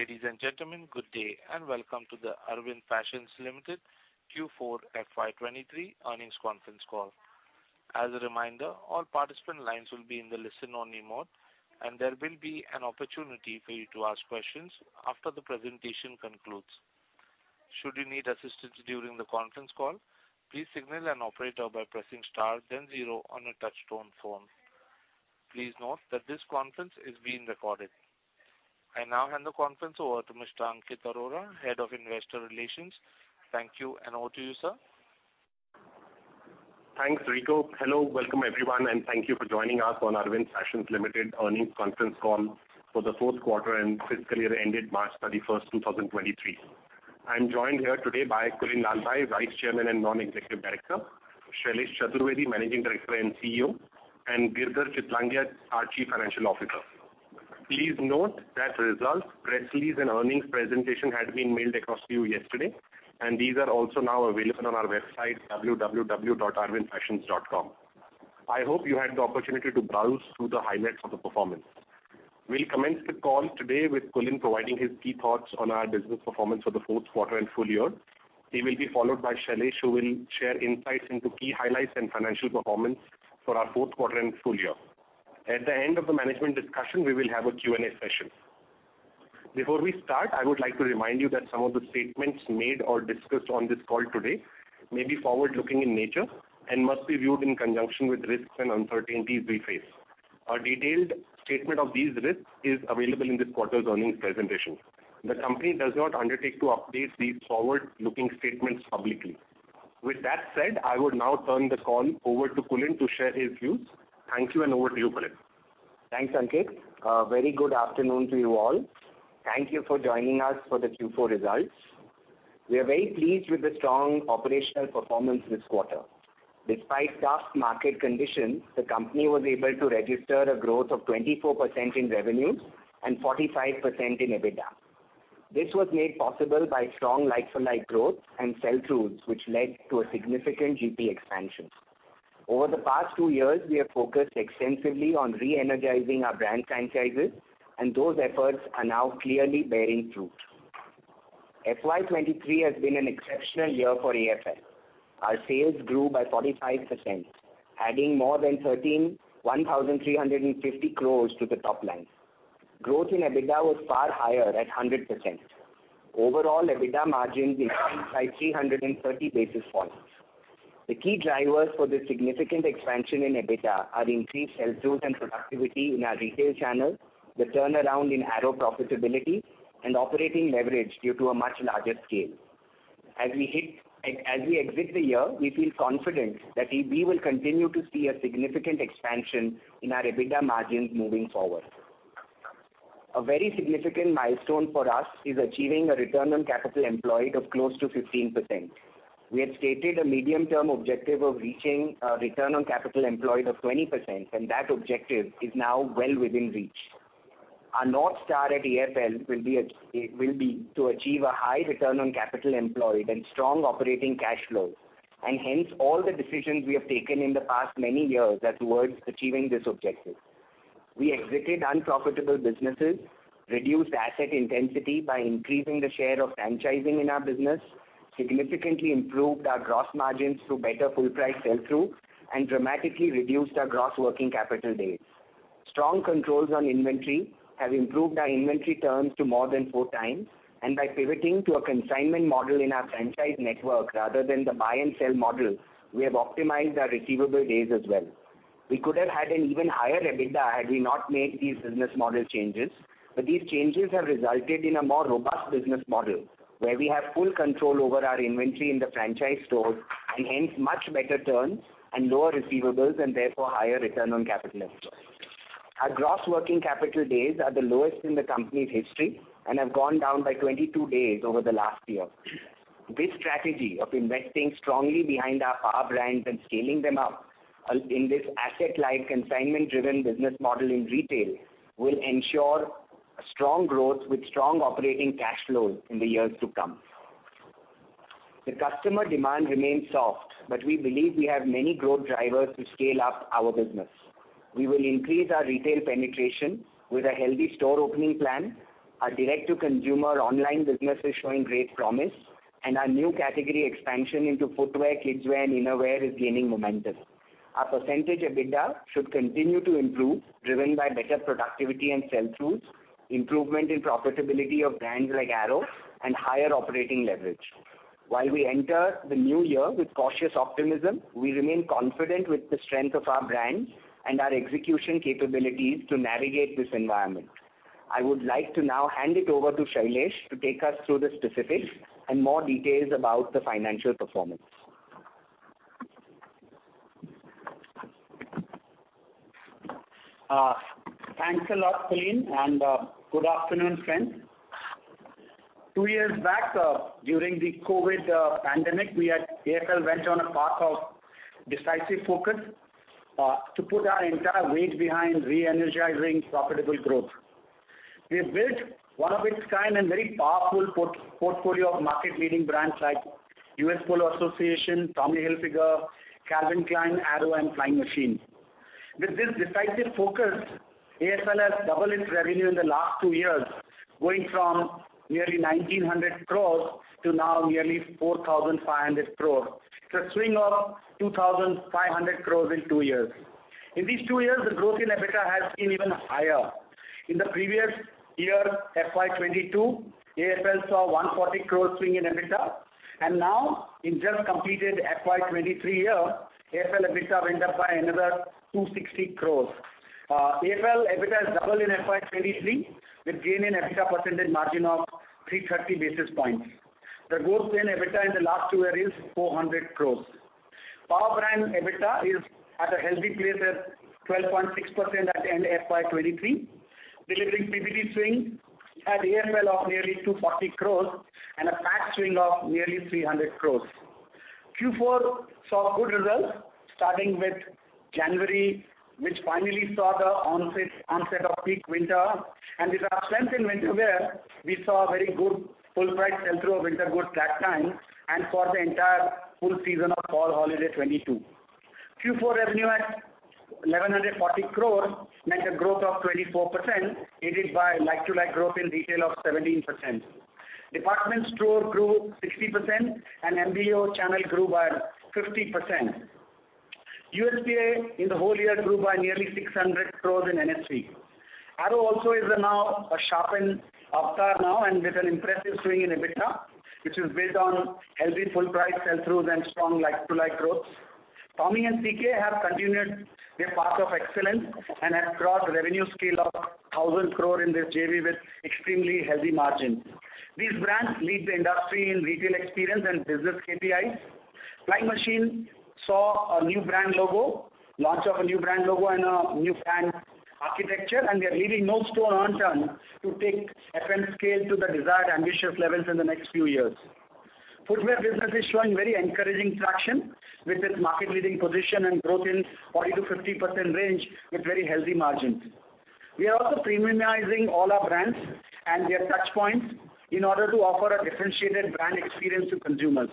Ladies and gentlemen, good day, and welcome to the Arvind Fashions Limited Q4 FY23 earnings conference call. As a reminder, all participant lines will be in the listen-only mode, and there will be an opportunity for you to ask questions after the presentation concludes. Should you need assistance during the conference call, please signal an operator by pressing star, then zero on your touchtone phone. Please note that this conference is being recorded. I now hand the conference over to Mr. Ankit Arora, Head of Investor Relations. Thank you, over to you, sir. Thanks, Rico. Hello, welcome everyone. Thank you for joining us on Arvind Fashions Limited earnings conference call for the fourth quarter and fiscal year ended March 31, 2023. I'm joined here today by Kulin Lalbhai, Vice Chairman and Non-Executive Director, Shailesh Chaturvedi, Managing Director and CEO, and Girdhar Chitlangia, our Chief Financial Officer. Please note that results, press release, and earnings presentation had been mailed across to you yesterday. These are also now available on our website, www.arvindfashions.com. I hope you had the opportunity to browse through the highlights of the performance. We'll commence the call today with Kulin providing his key thoughts on our business performance for the fourth quarter and full year. He will be followed by Shailesh, who will share insights into key highlights and financial performance for our fourth quarter and full year. At the end of the management discussion, we will have a Q&A session. Before we start, I would like to remind you that some of the statements made or discussed on this call today may be forward-looking in nature and must be viewed in conjunction with risks and uncertainties we face. A detailed statement of these risks is available in this quarter's earnings presentation. The company does not undertake to update these forward-looking statements publicly. With that said, I would now turn the call over to Kulin to share his views. Thank you, and over to you, Kulin. Thanks, Ankit. Very good afternoon to you all. Thank you for joining us for the Q4 results. We are very pleased with the strong operational performance this quarter. Despite tough market conditions, the company was able to register a growth of 24% in revenues and 45% in EBITDA. This was made possible by strong like-for-like growth and sell-throughs, which led to a significant GP expansion. Over the past two years, we have focused extensively on re-energizing our brand franchises, and those efforts are now clearly bearing fruit. FY 2023 has been an exceptional year for AFL. Our sales grew by 45%, adding more than 1,350 crores to the top line. Growth in EBITDA was far higher at 100%. Overall, EBITDA margins increased by 330 basis points. The key drivers for this significant expansion in EBITDA are increased sell-throughs and productivity in our retail channel, the turnaround in Arrow profitability, and operating leverage due to a much larger scale. As we exit the year, we feel confident that we will continue to see a significant expansion in our EBITDA margins moving forward. A very significant milestone for us is achieving a return on capital employed of close to 15%. We had stated a medium-term objective of reaching a return on capital employed of 20%, and that objective is now well within reach. Our North Star at AFL will be to achieve a high return on capital employed and strong operating cash flow, and hence all the decisions we have taken in the past many years are towards achieving this objective. We exited unprofitable businesses, reduced asset intensity by increasing the share of franchising in our business, significantly improved our gross margins through better full price sell-through, and dramatically reduced our gross working capital days. Strong controls on inventory have improved our inventory turns to more than four times, and by pivoting to a consignment model in our franchise network, rather than the buy-and-sell model, we have optimized our receivable days as well. We could have had an even higher EBITDA had we not made these business model changes, but these changes have resulted in a more robust business model, where we have full control over our inventory in the franchise stores, and hence, much better turns and lower receivables, and therefore higher return on capital employed. Our gross working capital days are the lowest in the company's history and have gone down by 22 days over the last year. This strategy of investing strongly behind our power brands and scaling them up, in this asset-light, consignment-driven business model in retail, will ensure a strong growth with strong operating cash flows in the years to come. The customer demand remains soft. We believe we have many growth drivers to scale up our business. We will increase our retail penetration with a healthy store opening plan. Our direct-to-consumer online business is showing great promise. Our new category expansion into footwear, kidswear, and innerwear is gaining momentum. Our percentage EBITDA should continue to improve, driven by better productivity and sell-throughs, improvement in profitability of brands like Arrow, and higher operating leverage. While we enter the new year with cautious optimism, we remain confident with the strength of our brands and our execution capabilities to navigate this environment. I would like to now hand it over to Shailesh to take us through the specifics and more details about the financial performance. Thanks a lot, Kulin, good afternoon, friends. Two years back, during the COVID pandemic, we at AFL went on a path of decisive focus to put our entire weight behind re-energizing profitable growth. We built one of its kind and very powerful portfolio of market-leading brands like U.S. Polo Assn., Tommy Hilfiger, Calvin Klein, Arrow, and Flying Machine. With this decisive focus, AFL has doubled its revenue in the last two years, going from nearly 1,900 crores to now nearly 4,500 crore. It's a swing of 2,500 crores in two years. In these two years, the growth in EBITDA has been even higher. In the previous year, FY22, AFL saw 140 crores swing in EBITDA, and now in just completed FY23 year, AFL EBITDA went up by another 260 crores. AFL EBITDA has doubled in FY 2023, with gain in EBITDA percentage margin of 330 basis points. The growth in EBITDA in the last two years is 400 crores. Power brand EBITDA is at a healthy place at 12.6% at end FY 2023, delivering PBT swing at AFL of nearly 240 crores and a PAT swing of nearly 300 crores. Q4 saw good results, starting with January, which finally saw the onset of peak winter, and with a strength in winter wear, we saw a very good full price sell-through of winter goods that time and for the entire full season of fall holiday 2022. Q4 revenue at 1,140 crores meant a growth of 24%, aided by like-to-like growth in retail of 17%. Department store grew 60%, and MBO channel grew by 50%. USPA in the whole year grew by nearly 600 crores in NSP. Arrow also is now a sharpened avatar now and with an impressive swing in EBITDA, which is based on healthy full price sell-throughs and strong like-to-like growth. Tommy and CK have continued their path of excellence and have crossed revenue scale of 1,000 crore in this JV with extremely healthy margins. These brands lead the industry in retail experience and business KPIs. Flying Machine saw a new brand logo, launch of a new brand logo and a new brand architecture, and they are leaving no stone unturned to take FM scale to the desired ambitious levels in the next few years. Footwear business is showing very encouraging traction with its market leading position and growth in 40%-50% range, with very healthy margins. We are also premiumizing all our brands and their touch points in order to offer a differentiated brand experience to consumers.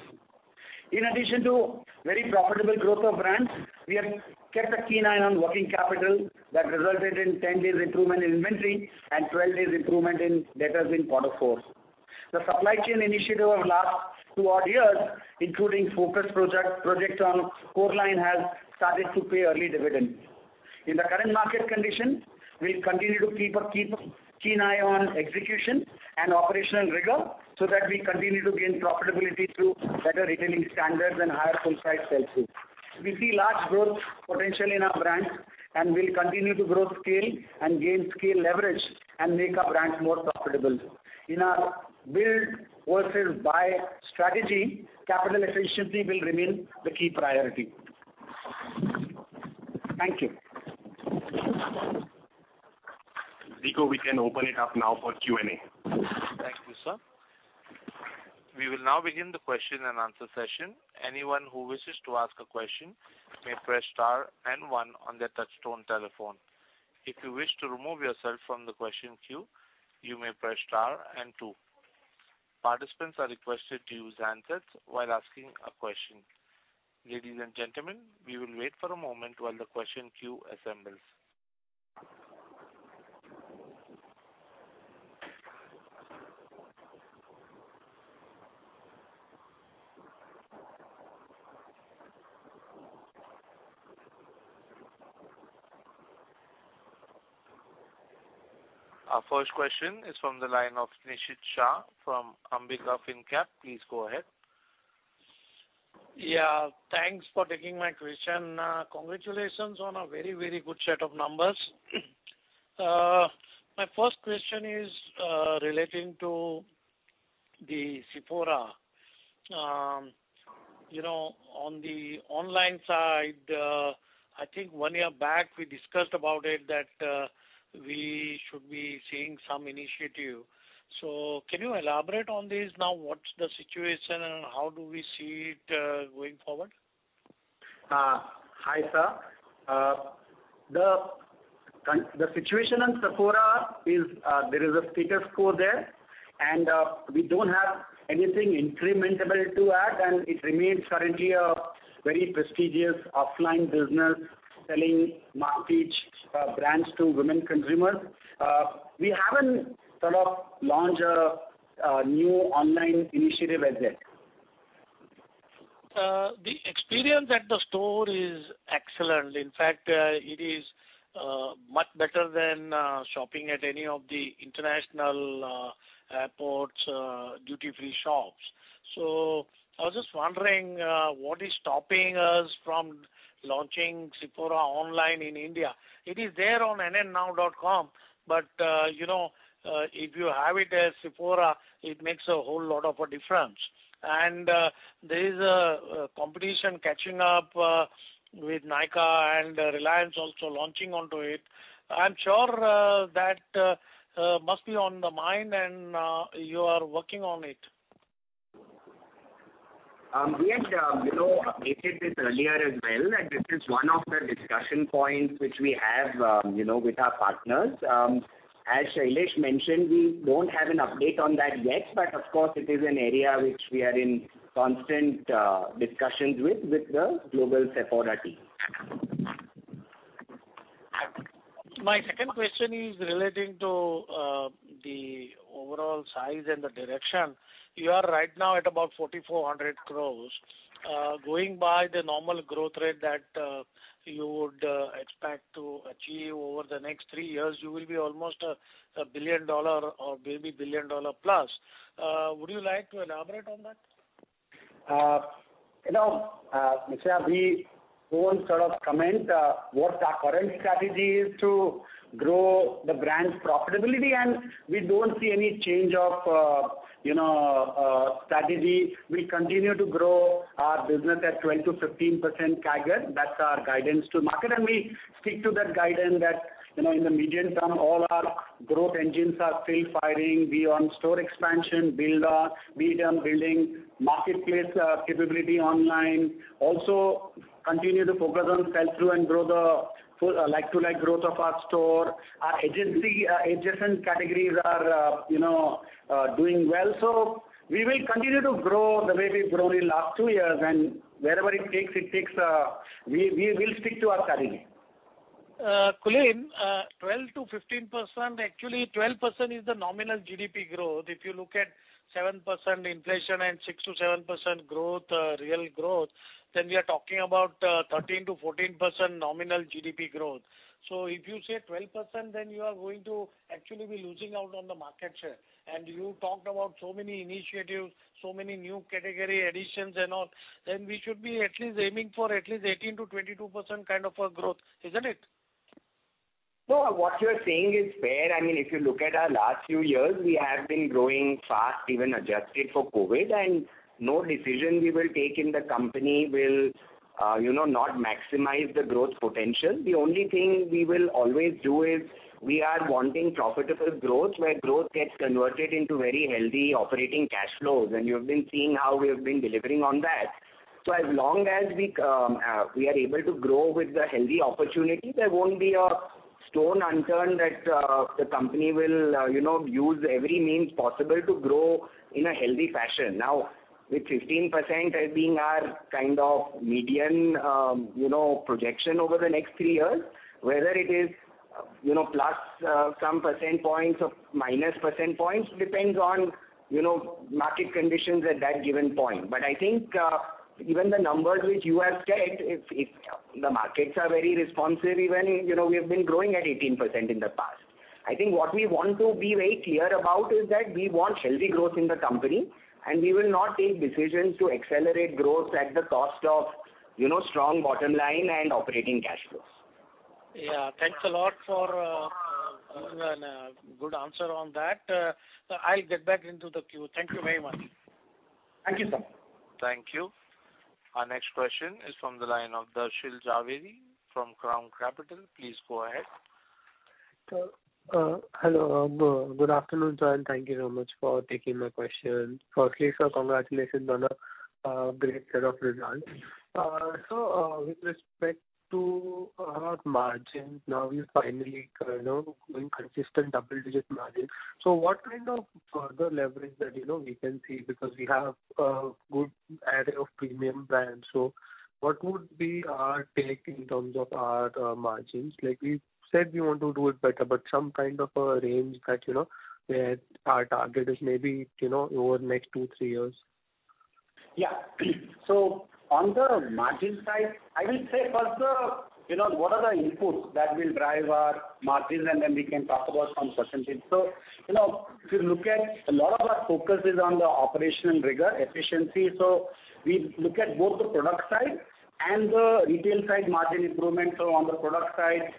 In addition to very profitable growth of brands, we have kept a keen eye on working capital that resulted in 10 days improvement in inventory and 12 days improvement in debtors in quarter four. The supply chain initiative of last two odd years, including focus project on core line, has started to pay early dividends. In the current market condition, we continue to keep a keen eye on execution and operational rigor, so that we continue to gain profitability through better retailing standards and higher full price sell-through. We see large growth potential in our brands. We'll continue to grow scale and gain scale leverage and make our brands more profitable. In our build versus buy strategy, capital efficiency will remain the key priority. Thank you. Vigo, we can open it up now for Q&A. Thank you, sir. We will now begin the question and answer session. Anyone who wishes to ask a question may press star one on their touchtone telephone. If you wish to remove yourself from the question queue, you may press star two. Participants are requested to use handsets while asking a question. Ladies and gentlemen, we will wait for a moment while the question queue assembles. Our first question is from the line of Nishid Shah from Ambika Fincap. Please go ahead. Yeah, thanks for taking my question. Congratulations on a very, very good set of numbers. My first question is relating to the Sephora. You know, on the online side, I think one year back, we discussed about it, that we should be seeing some initiative. Can you elaborate on this now? What's the situation and how do we see it going forward? Hi, sir. The situation on Sephora is, there is a status quo there. We don't have anything incremental to add. It remains currently a very prestigious offline business selling market, brands to women consumers. We haven't sort of launched a new online initiative as yet. The experience at the store is excellent. In fact, it is much better than shopping at any of the international airports, duty-free shops. I was just wondering, what is stopping us from launching Sephora online in India? It is there on nnnow.com, but, you know, if you have it as Sephora, it makes a whole lot of a difference. There is a competition catching up with Nykaa and Reliance also launching onto it. I'm sure that must be on the mind and you are working on it. We had, you know, updated this earlier as well, that this is one of the discussion points which we have, you know, with our partners. As Shailesh mentioned, we don't have an update on that yet, but of course, it is an area which we are in constant discussions with the global Sephora team. My second question is relating to the overall size and the direction. You are right now at about 4,400 crores. Going by the normal growth rate that you would expect to achieve over the next three years, you will be almost a $1 billion or maybe $1 billion plus. Would you like to elaborate on that? You know, Mr. Abhi, we won't sort of comment what our current strategy is to grow the brand's profitability. We don't see any change of, you know, strategy. We continue to grow our business at 20% to 15% CAGR. That's our guidance to market. We stick to that guidance that, you know, in the medium term, all our growth engines are still firing. We on store expansion, build our medium building, marketplace capability online. Also, continue to focus on sell-through and grow the full, like-to-like growth of our store. Our agency, adjacent categories are, you know, doing well. We will continue to grow the way we've grown in last two years. Wherever it takes, it takes, we will stick to our strategy. Kulin Lalbhai, 12%-15%, actually, 12% is the nominal GDP growth. If you look at 7% inflation and 6%-7% growth, real growth, we are talking about 13%-14% nominal GDP growth. If you say 12%, then you are going to actually be losing out on the market share. You talked about so many initiatives, so many new category additions and all, then we should be at least aiming for at least 18%-22% kind of a growth, isn't it? No, what you're saying is fair. I mean, if you look at our last few years, we have been growing fast, even adjusted for COVID. No decision we will take in the company will, you know, not maximize the growth potential. The only thing we will always do is, we are wanting profitable growth, where growth gets converted into very healthy operating cash flows. You have been seeing how we have been delivering on that. As long as we are able to grow with the healthy opportunity, there won't be a stone unturned that the company will, you know, use every means possible to grow in a healthy fashion. With 15% as being our kind of median, you know, projection over the next three years, whether it is, you know, plus, some percent points or minus percent points, depends on, you know, market conditions at that given point. I think, even the numbers which you have said, if the markets are very responsive, even, you know, we have been growing at 18% in the past. I think what we want to be very clear about is that we want healthy growth in the company, and we will not take decisions to accelerate growth at the cost of, you know, strong bottom line and operating cash flows. Yeah, thanks a lot for good answer on that. I'll get back into the queue. Thank you very much. Thank you, sir. Thank you. Our next question is from the line of Darshil Jhaveri from Crown Capital. Please go ahead. Good afternoon, sir, thank you so much for taking my question. Firstly, sir, congratulations on a great set of results. With respect to margin, now you finally, you know, doing consistent double-digit margin. What kind of further leverage that, you know, we can see, because we have a good array of premium brands. What would be our take in terms of our margins? Like, we said, we want to do it better, but some kind of a range that, you know, where our target is, maybe, you know, over the next two, three years. Yeah. On the margin side, I will say first, you know, what are the inputs that will drive our margins, and then we can talk about some percentages. You know, if you look at a lot of our focus is on the operational rigor, efficiency. We look at both the product side and the retail side margin improvement. On the product side,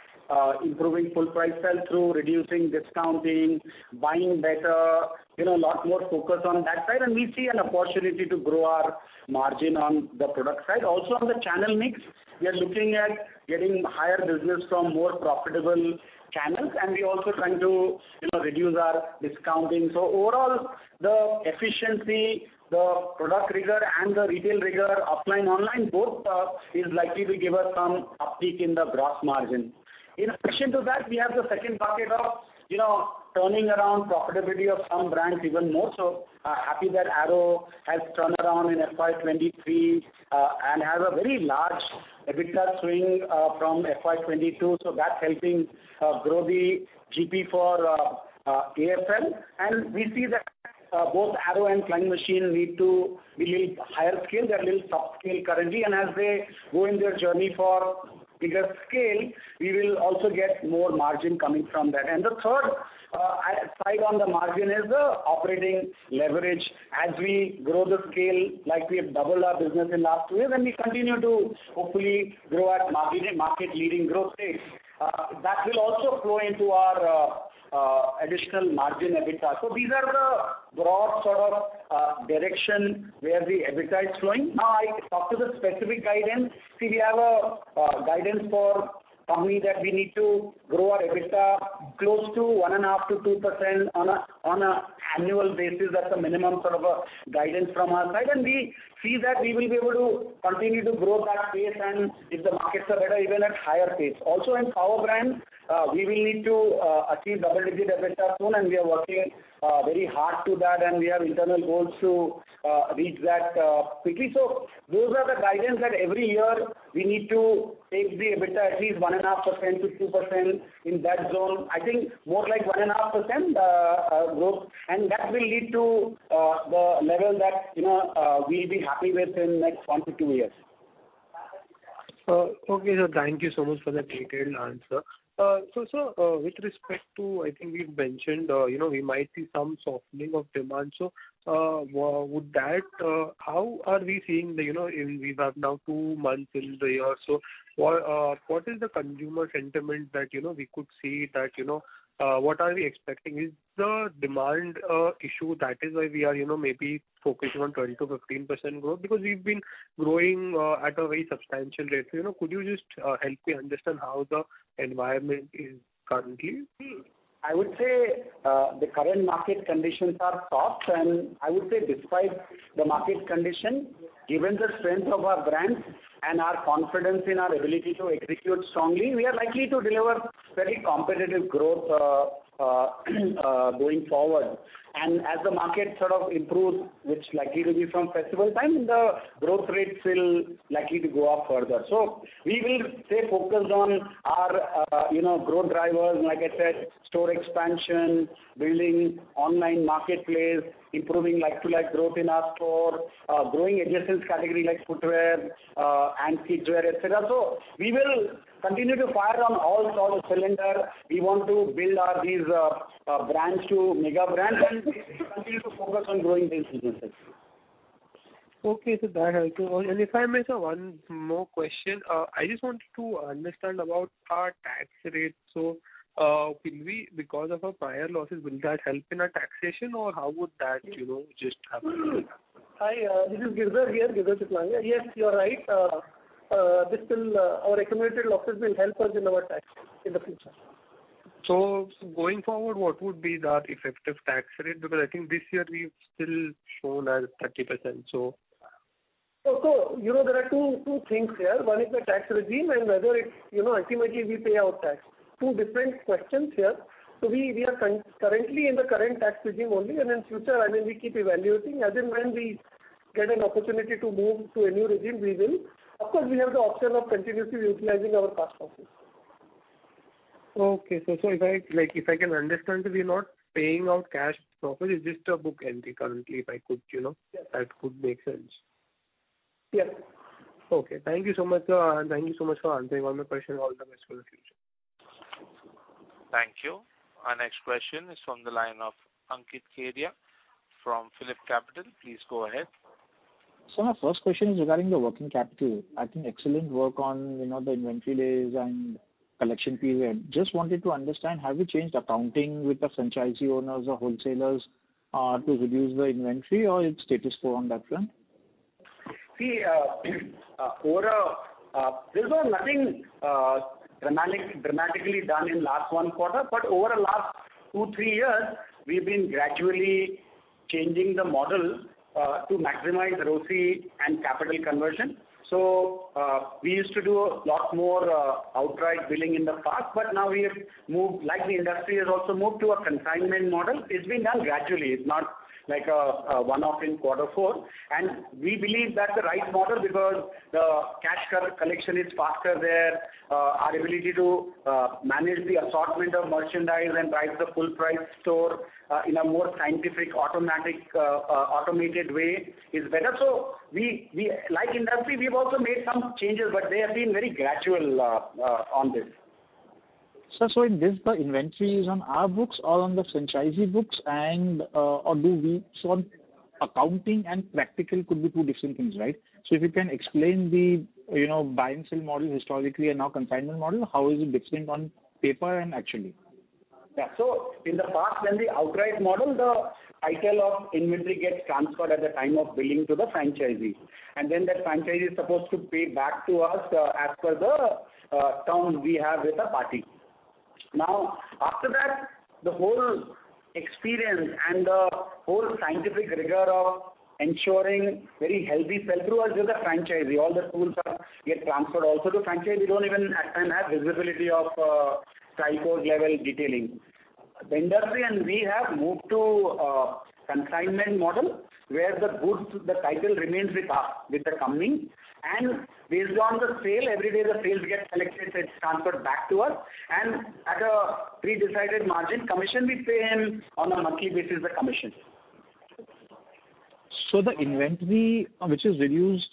improving full price sell-through, reducing discounting, buying better, you know, a lot more focus on that side, and we see an opportunity to grow our margin on the product side. Also, on the channel mix, we are looking at getting higher business from more profitable channels, and we're also trying to, you know, reduce our discounting. Overall, the efficiency, the product rigor and the retail rigor, offline, online, both, is likely to give us some uptick in the gross margin. In addition to that, we have the second bucket of, you know, turning around profitability of some brands even more. Happy that Arrow has turned around in FY23 and has a very large EBITDA swing from FY22. That's helping grow the GP for AFL. We see that both Arrow and Flying Machine need to build higher scale. They're building top scale currently, and as they go in their journey for bigger scale, we will also get more margin coming from that. The third side on the margin is the operating leverage. As we grow the scale, like we have doubled our business in last two years, and we continue to hopefully grow at market leading growth rates, that will also flow into our additional margin EBITDA. These are the broad sort of direction where the EBITDA is flowing. I talk to the specific guidance. We have a guidance for company that we need to grow our EBITDA close to 1.5% to 2% on an annual basis. That's a minimum sort of a guidance from our side, and we see that we will be able to continue to grow that pace, and if the markets are better, even at higher pace. In power brands, we will need to achieve double-digit EBITDA soon, and we are working very hard to that, and we have internal goals to reach that quickly. Those are the guidance that every year we need to take the EBITDA at least 1.5% to 2% in that zone. I think more like 1.5% growth. That will lead to the level that, you know, we'll be happy with in next one to two years. Okay, sir, thank you so much for the detailed answer. Sir, with respect to, I think you've mentioned, you know, we might see some softening of demand. would that, how are we seeing the, you know, in we have now two months in the year. What is the consumer sentiment that, you know, we could see that, you know, what are we expecting? Is the demand issue that is why we are, you know, maybe focusing on 20%-15% growth? Because we've been growing at a very substantial rate. You know, could you just help me understand how the environment is currently? I would say, the current market conditions are tough, and I would say despite the market condition, given the strength of our brands and our confidence in our ability to execute strongly, we are likely to deliver very competitive growth going forward. As the market sort of improves, which likely to be from festival time, the growth rates will likely to go up further. We will stay focused on our, you know, growth drivers, like I said, store expansion, building online marketplace, improving like-to-like growth in our store, growing adjacent category like footwear, and kidswear, et cetera. We will continue to fire on all sort of cylinder. We want to build our these brands to mega brands and continue to focus on growing the businesses. Okay, that helps. If I may, Sir, one more question. I just wanted to understand about our tax rate. Will we, because of our prior losses, will that help in our taxation, or how would that, you know, just happen? Hi, this is Girdhar Chitlangia here, Girdhar Chitlangia. Yes, you are right. Our accumulated losses will help us in our tax in the future. Going forward, what would be the effective tax rate? Because I think this year we've still shown as 30%, so. You know, there are two things here. One is the tax regime, and whether it's, you know, ultimately, we pay our tax. Two different questions here. We are currently in the current tax regime only, and in future, I mean, we keep evaluating. As and when we get an opportunity to move to a new regime, we will. Of course, we have the option of continuously utilizing our past losses. Okay. If I, like, if I can understand, we're not paying out cash profit, it's just a book entry currently, if I could, you know? Yes. That could make sense. Yes. Okay. Thank you so much, sir. Thank you so much for answering all my questions. All the best for the future. Thank you. Our next question is from the line of Ankit Kedia from PhillipCapital. Please go ahead. Sir, my first question is regarding the working capital. I think excellent work on, you know, the inventory days and collection period. Just wanted to understand, have you changed accounting with the franchisee owners or wholesalers to reduce the inventory, or it's status quo on that front? See, over, there's nothing dramatically done in last one quarter, but over the last two, three years, we've been gradually changing the model to maximize ROCE and capital conversion. We used to do a lot more outright billing in the past, but now we have moved, like the industry has also moved to a consignment model. It's been done gradually. It's not like a one-off in quarter four. We believe that's the right model because the cash collection is faster there, our ability to manage the assortment of merchandise and price the full price store in a more scientific, automatic, automated way is better. We, we like industry, we've also made some changes, but they have been very gradual on this. Sir, is this the inventory is on our books or on the franchisee books, and on accounting and practical could be two different things, right? If you can explain the, you know, buy and sell model historically and now consignment model, how is it different on paper and actually? Yeah. In the past, when the outright model, the title of inventory gets transferred at the time of billing to the franchisee, and then that franchisee is supposed to pay back to us as per the terms we have with the party. After that, the whole experience and the whole scientific rigor of ensuring very healthy sell-through as with the franchisee, all the tools are get transferred also to franchisee. Don't even at time have visibility of cycle level detailing. We have moved to consignment model, where the goods, the title remains with us, with the company, and based on the sale, every day the sales get collected, so it's transferred back to us. At a pre-decided margin, commission, we pay him on a monthly basis, the commission. The inventory, which is reduced,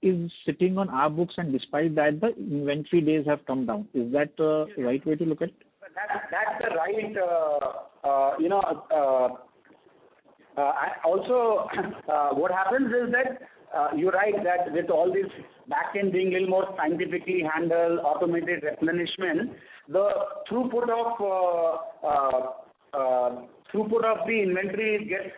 is sitting on our books, and despite that, the inventory days have come down. Is that the right way to look at it? That's the right, you know. Also, what happens is that, you're right, that with all this back end being a little more scientifically handled, automated replenishment, the throughput of the inventory gets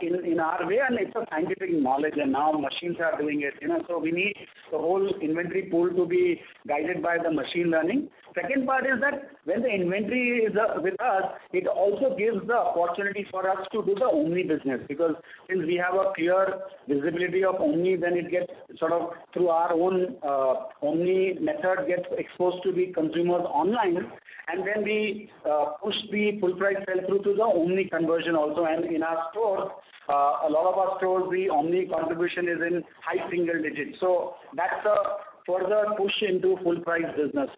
in our way, and it's a scientific knowledge, and now machines are doing it, you know, so we need the whole inventory pool to be guided by the machine learning. Second part is that when the inventory is with us, it also gives the opportunity for us to do the omnichannel business, because since we have a clear visibility of omnichannel, then it gets sort of through our own omnichannel method, gets exposed to the consumers online, and then we push the full price sell-through to the omnichannel conversion also. In our stores, a lot of our stores, the omnichannel contribution is in high single digits. That's a further push into full price business.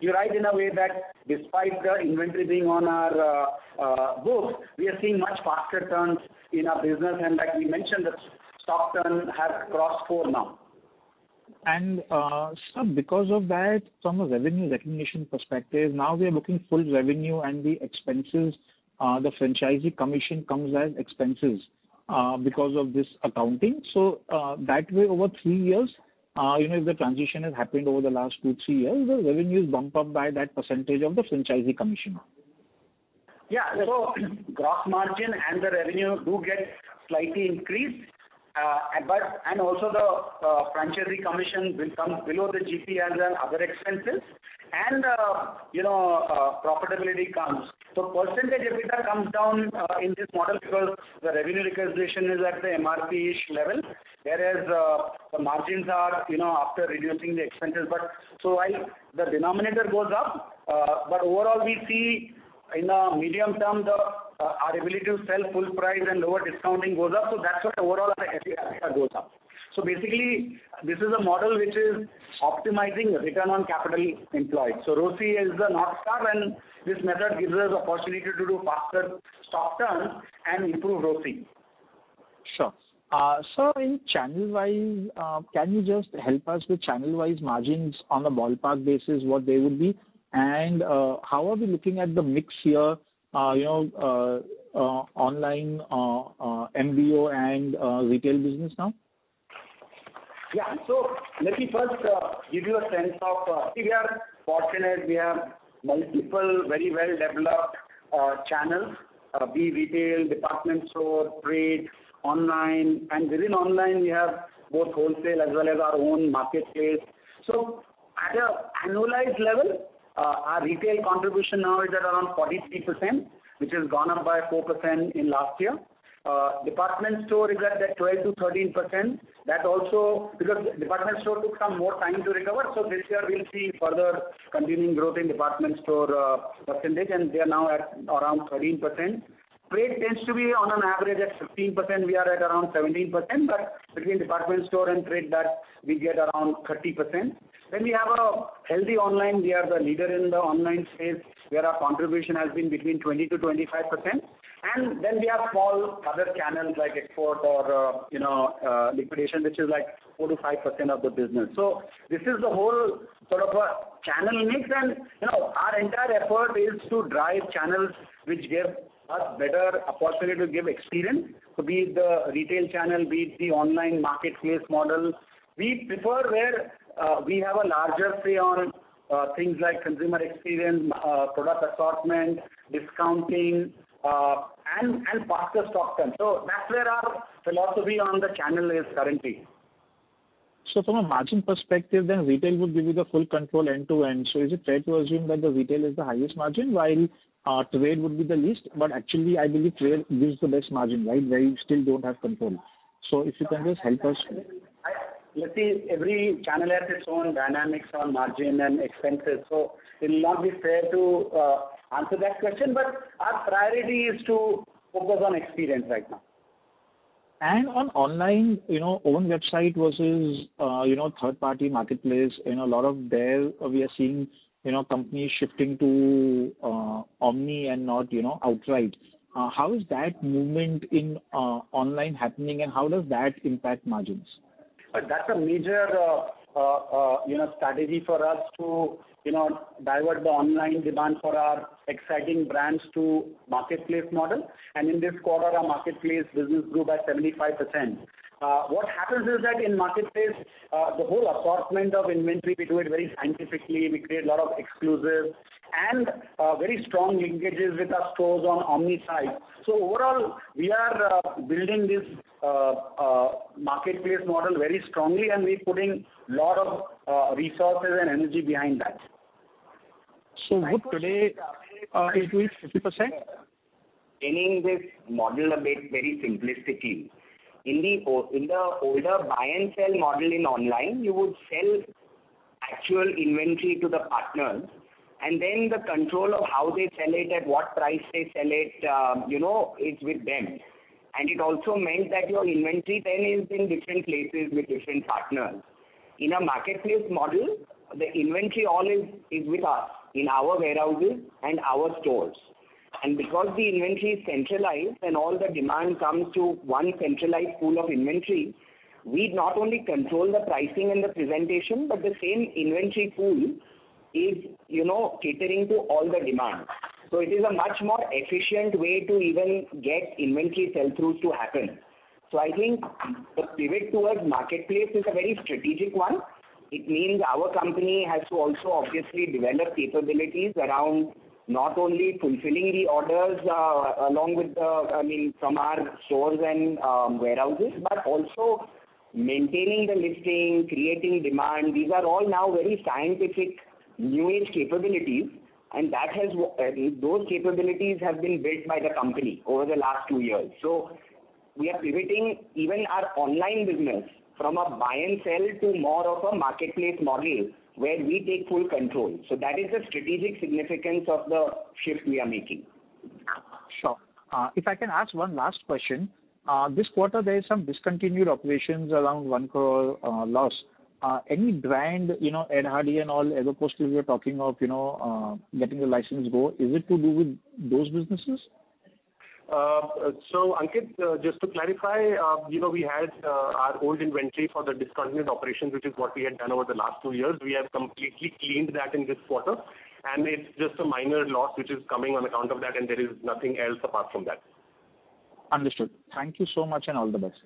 You're right in a way that despite the inventory being on our books, we are seeing much faster turns in our business. Like we mentioned, the stock turn has crossed four now. Because of that, from a revenue recognition perspective, now we are looking full revenue and the expenses, the franchisee commission comes as expenses, because of this accounting. That way, over three years, you know, if the transition has happened over the last two, three years, the revenue is bumped up by that percentage of the franchisee commission. Gross margin and the revenue do get slightly increased, but also the franchisee commission will come below the GPM and other expenses, you know, profitability comes. Percentage EBITDA comes down in this model because the revenue recognition is at the MRP-ish level, whereas the margins are, you know, after reducing the expenses. While the denominator goes up, but overall, we see in the medium term, the our ability to sell full price and lower discounting goes up, that's what overall our EBITDA goes up. Basically, this is a model which is optimizing return on capital employed. ROCE is the North Star, and this method gives us the opportunity to do faster stock turns and improve ROCE. Sure. So in channel-wise, can you just help us with channel-wise margins on a ballpark basis, what they would be? How are we looking at the mix here, you know, online, MBO and retail business now? Let me first give you a sense of, we are fortunate, we have multiple, very well-developed channels, be retail, department store, trade, online, and within online, we have both wholesale as well as our own marketplace. At an annualized level, our retail contribution now is around 43%, which has gone up by 4% in last year. Department store is at that 12%-13%. That also because department store took some more time to recover, so this year we'll see further continuing growth in department store percentage, and they are now at around 13%. Trade tends to be on an average at 15%. We are at around 17%, but between department store and trade, that we get around 30%. We have a healthy online. We are the leader in the online space, where our contribution has been between 20%-25%. Then we have small other channels like export or, you know, liquidation, which is like 4%-5% of the business. This is the whole sort of a channel mix. You know, our entire effort is to drive channels which give us better opportunity to give experience, be it the retail channel, be it the online marketplace model. We prefer where, we have a larger say on, things like consumer experience, product assortment, discounting, and faster stock turn. That's where our philosophy on the channel is currently. From a margin perspective, then retail would give you the full control end-to-end. Is it fair to assume that the retail is the highest margin, while trade would be the least? Actually, I believe trade gives the best margin, right? Where you still don't have control. If you can just help us. Every channel has its own dynamics on margin and expenses. It will not be fair to answer that question. Our priority is to focus on experience right now. On online, you know, own website versus, you know, third-party marketplace, you know, a lot of there, we are seeing, you know, companies shifting to omni and not, you know, outright. How is that movement in online happening, and how does that impact margins? That's a major, you know, strategy for us to, you know, divert the online demand for our exciting brands to marketplace model. In this quarter, our marketplace business grew by 75%. What happens is that in marketplace, the whole assortment of inventory, we do it very scientifically. We create a lot of exclusives and very strong linkages with our stores on omni side. Overall, we are building this marketplace model very strongly, and we're putting a lot of resources and energy behind that. today, it is 50%? Getting this model a bit very simplistically. In the older buy and sell model in online, you would sell actual inventory to the partners, and then the control of how they sell it, at what price they sell it, you know, it's with them. It also meant that your inventory then is in different places with different partners. In a marketplace model, the inventory all is with us, in our warehouses and our stores. Because the inventory is centralized and all the demand comes to one centralized pool of inventory, we not only control the pricing and the presentation, but the same inventory pool is, you know, catering to all the demand. It is a much more efficient way to even get inventory sell-through to happen. I think the pivot towards marketplace is a very strategic one. It means our company has to also obviously develop capabilities around not only fulfilling the orders, along with the, I mean, from our stores and warehouses, but also maintaining the listing, creating demand. These are all now very scientific, new age capabilities, and those capabilities have been built by the company over the last two years. We are pivoting even our online business from a buy and sell to more of a marketplace model, where we take full control. That is the strategic significance of the shift we are making. Sure. If I can ask one last question. This quarter, there is some discontinued operations around 1 crore loss. Any brand, you know, Ed Hardy and all other Aéropostale we are talking of, you know, letting the license go, is it to do with those businesses? Ankit, just to clarify, you know, we had our old inventory for the discontinued operations, which is what we had done over the last two years. We have completely cleaned that in this quarter, and it's just a minor loss which is coming on account of that, and there is nothing else apart from that. Understood. Thank you so much, and all the best.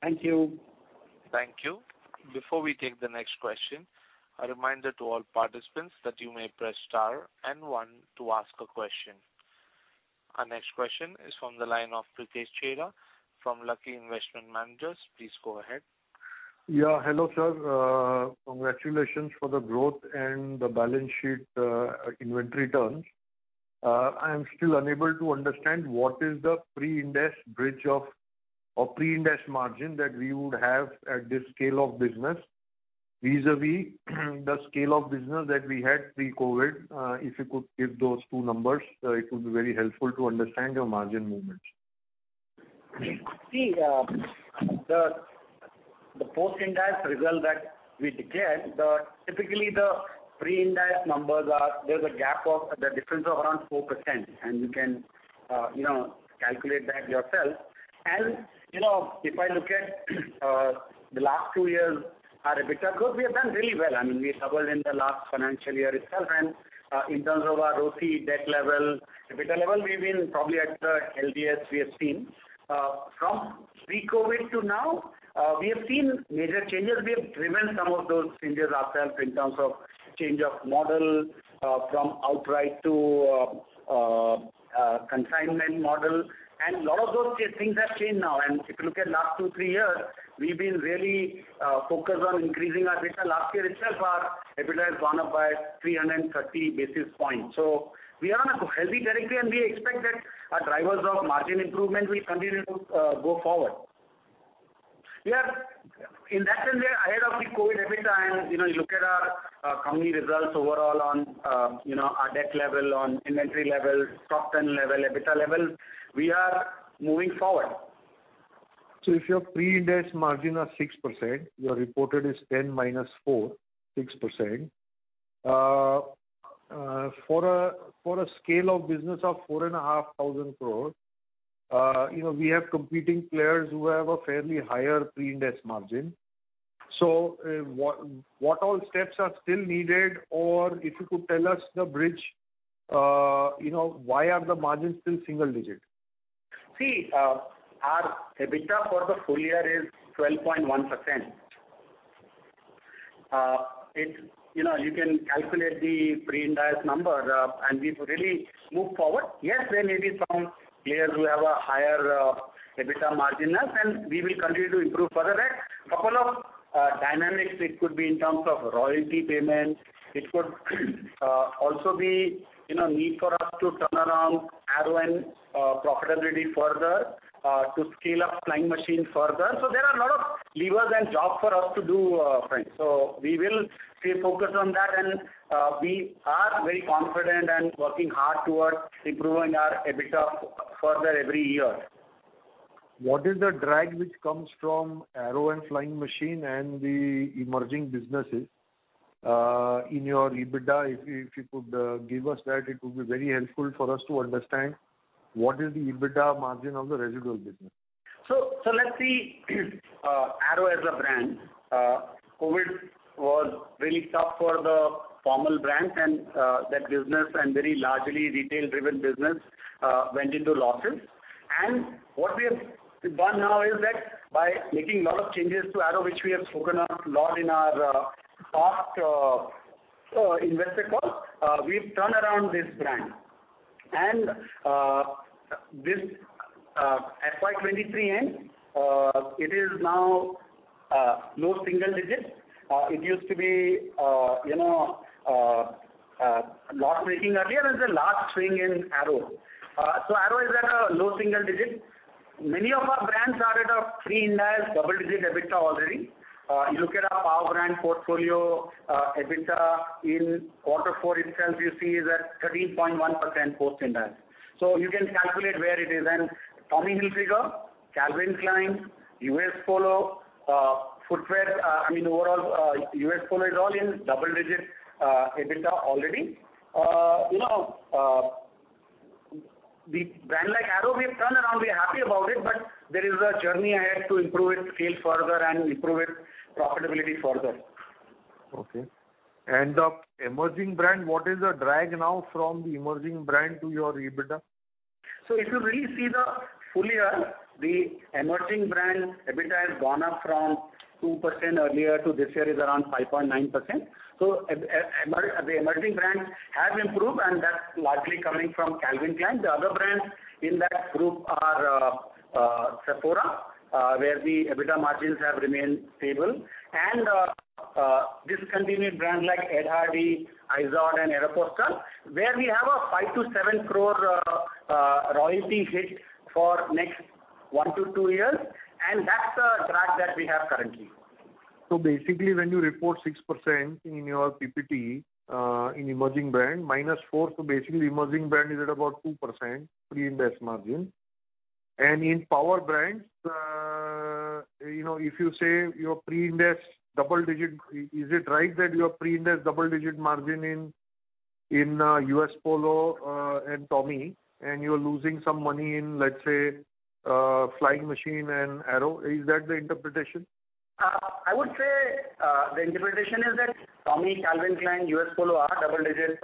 Thank you. Thank you. Before we take the next question, a reminder to all participants that you may press star one to ask a question. Our next question is from the line of Pritesh Chheda from Lucky Investment Managers. Please go ahead. Hello, sir. Congratulations for the growth and the balance sheet, inventory terms. I am still unable to understand what is the pre-Ind AS bridge or pre-Ind AS margin that we would have at this scale of business, vis-à-vis the scale of business that we had pre-COVID? If you could give those two numbers, it would be very helpful to understand your margin movements. See, the post-Ind AS result that we declared, typically, the pre-Ind AS numbers are there's a gap of the difference of around 4%, and you can, you know, calculate that yourself. You know, if I look at the last two years, our EBITDA growth, we have done really well. I mean, we suffered in the last financial year itself, in terms of our ROCE, debt level, EBITDA level, we've been probably at the healthiest we have seen. From pre-COVID to now, we have seen major changes. We have driven some of those changes ourselves in terms of change of model, from outright to consignment model, and a lot of those things are clean now. If you look at last two, three years, we've been really focused on increasing our EBITDA. Last year itself, our EBITDA has gone up by 330 basis points. We are on a healthy trajectory, and we expect that our drivers of margin improvement will continue to go forward. We are in that sense, ahead of the COVID every time, you know, you look at our company results overall on, you know, our debt level, on inventory level, top ten level, EBITDA level, we are moving forward. If your pre-Ind AS margin are 6%, your reported is 10 minus 4, 6%. For a scale of business of 4,500 crores, you know, we have competing players who have a fairly higher pre-Ind AS margin. What all steps are still needed? Or if you could tell us the bridge, you know, why are the margins still single digit? See, our EBITDA for the full year is 12.1%. It's, you know, you can calculate the pre-Ind AS number, and we've really moved forward. Yes, there may be some players who have a higher EBITDA margin than us, and we will continue to improve further than. Couple of dynamics, it could be in terms of royalty payments, it could also be, you know, need for us to turn around Arrow and profitability further, to scale up Flying Machine further. There are a lot of levers and job for us to do, friend. We will stay focused on that, and we are very confident and working hard towards improving our EBITDA further every year. What is the drag which comes from Arrow and Flying Machine and the emerging businesses in your EBITDA? If you could give us that, it would be very helpful for us to understand what is the EBITDA margin of the residual business. Let's see, Arrow as a brand. COVID was really tough for the formal brand and that business and very largely retail-driven business went into losses. What we have done now is that by making a lot of changes to Arrow, which we have spoken a lot in our past investor call, we've turned around this brand. This FY 23 end, it is now low single digits. It used to be, you know, loss-making earlier, and the last thing in Arrow. Arrow is at a low single digit. Many of our brands are at a pre-Ind AS, double-digit EBITDA already. You look at our power brand portfolio, EBITDA in Q4 itself, you see is at 13.1% post-Ind AS. You can calculate where it is. Tommy Hilfiger, Calvin Klein, U.S. Polo, footwear, I mean, overall, U.S. Polo is all in double digit EBITDA already. You know, the brand like Arrow, we've turned around, we're happy about it, but there is a journey ahead to improve its scale further and improve its profitability further. Okay. The emerging brand, what is the drag now from the emerging brand to your EBITDA? If you really see the full year, the emerging brand EBITDA has gone up from 2% earlier to this year is around 5.9%. The emerging brands have improved, and that's largely coming from Calvin Klein. The other brands in that group are Sephora, where the EBITDA margins have remained stable, and discontinued brands like Ed Hardy, IZOD, and Aéropostale, where we have a 5 crore-7 crore royalty hit for next one to two years, and that's the drag that we have currently. When you report 6% in your PPT, in emerging brand, minus 4, emerging brand is at about 2% pre-Ind AS margin. You know, if you say your pre-Ind AS double-digit, is it right that your pre-Ind AS double-digit margin in U.S. Polo, and Tommy, and you're losing some money in, let's say, Flying Machine and Arrow? Is that the interpretation? I would say, the interpretation is that Tommy, Calvin Klein, U.S. Polo are double digits,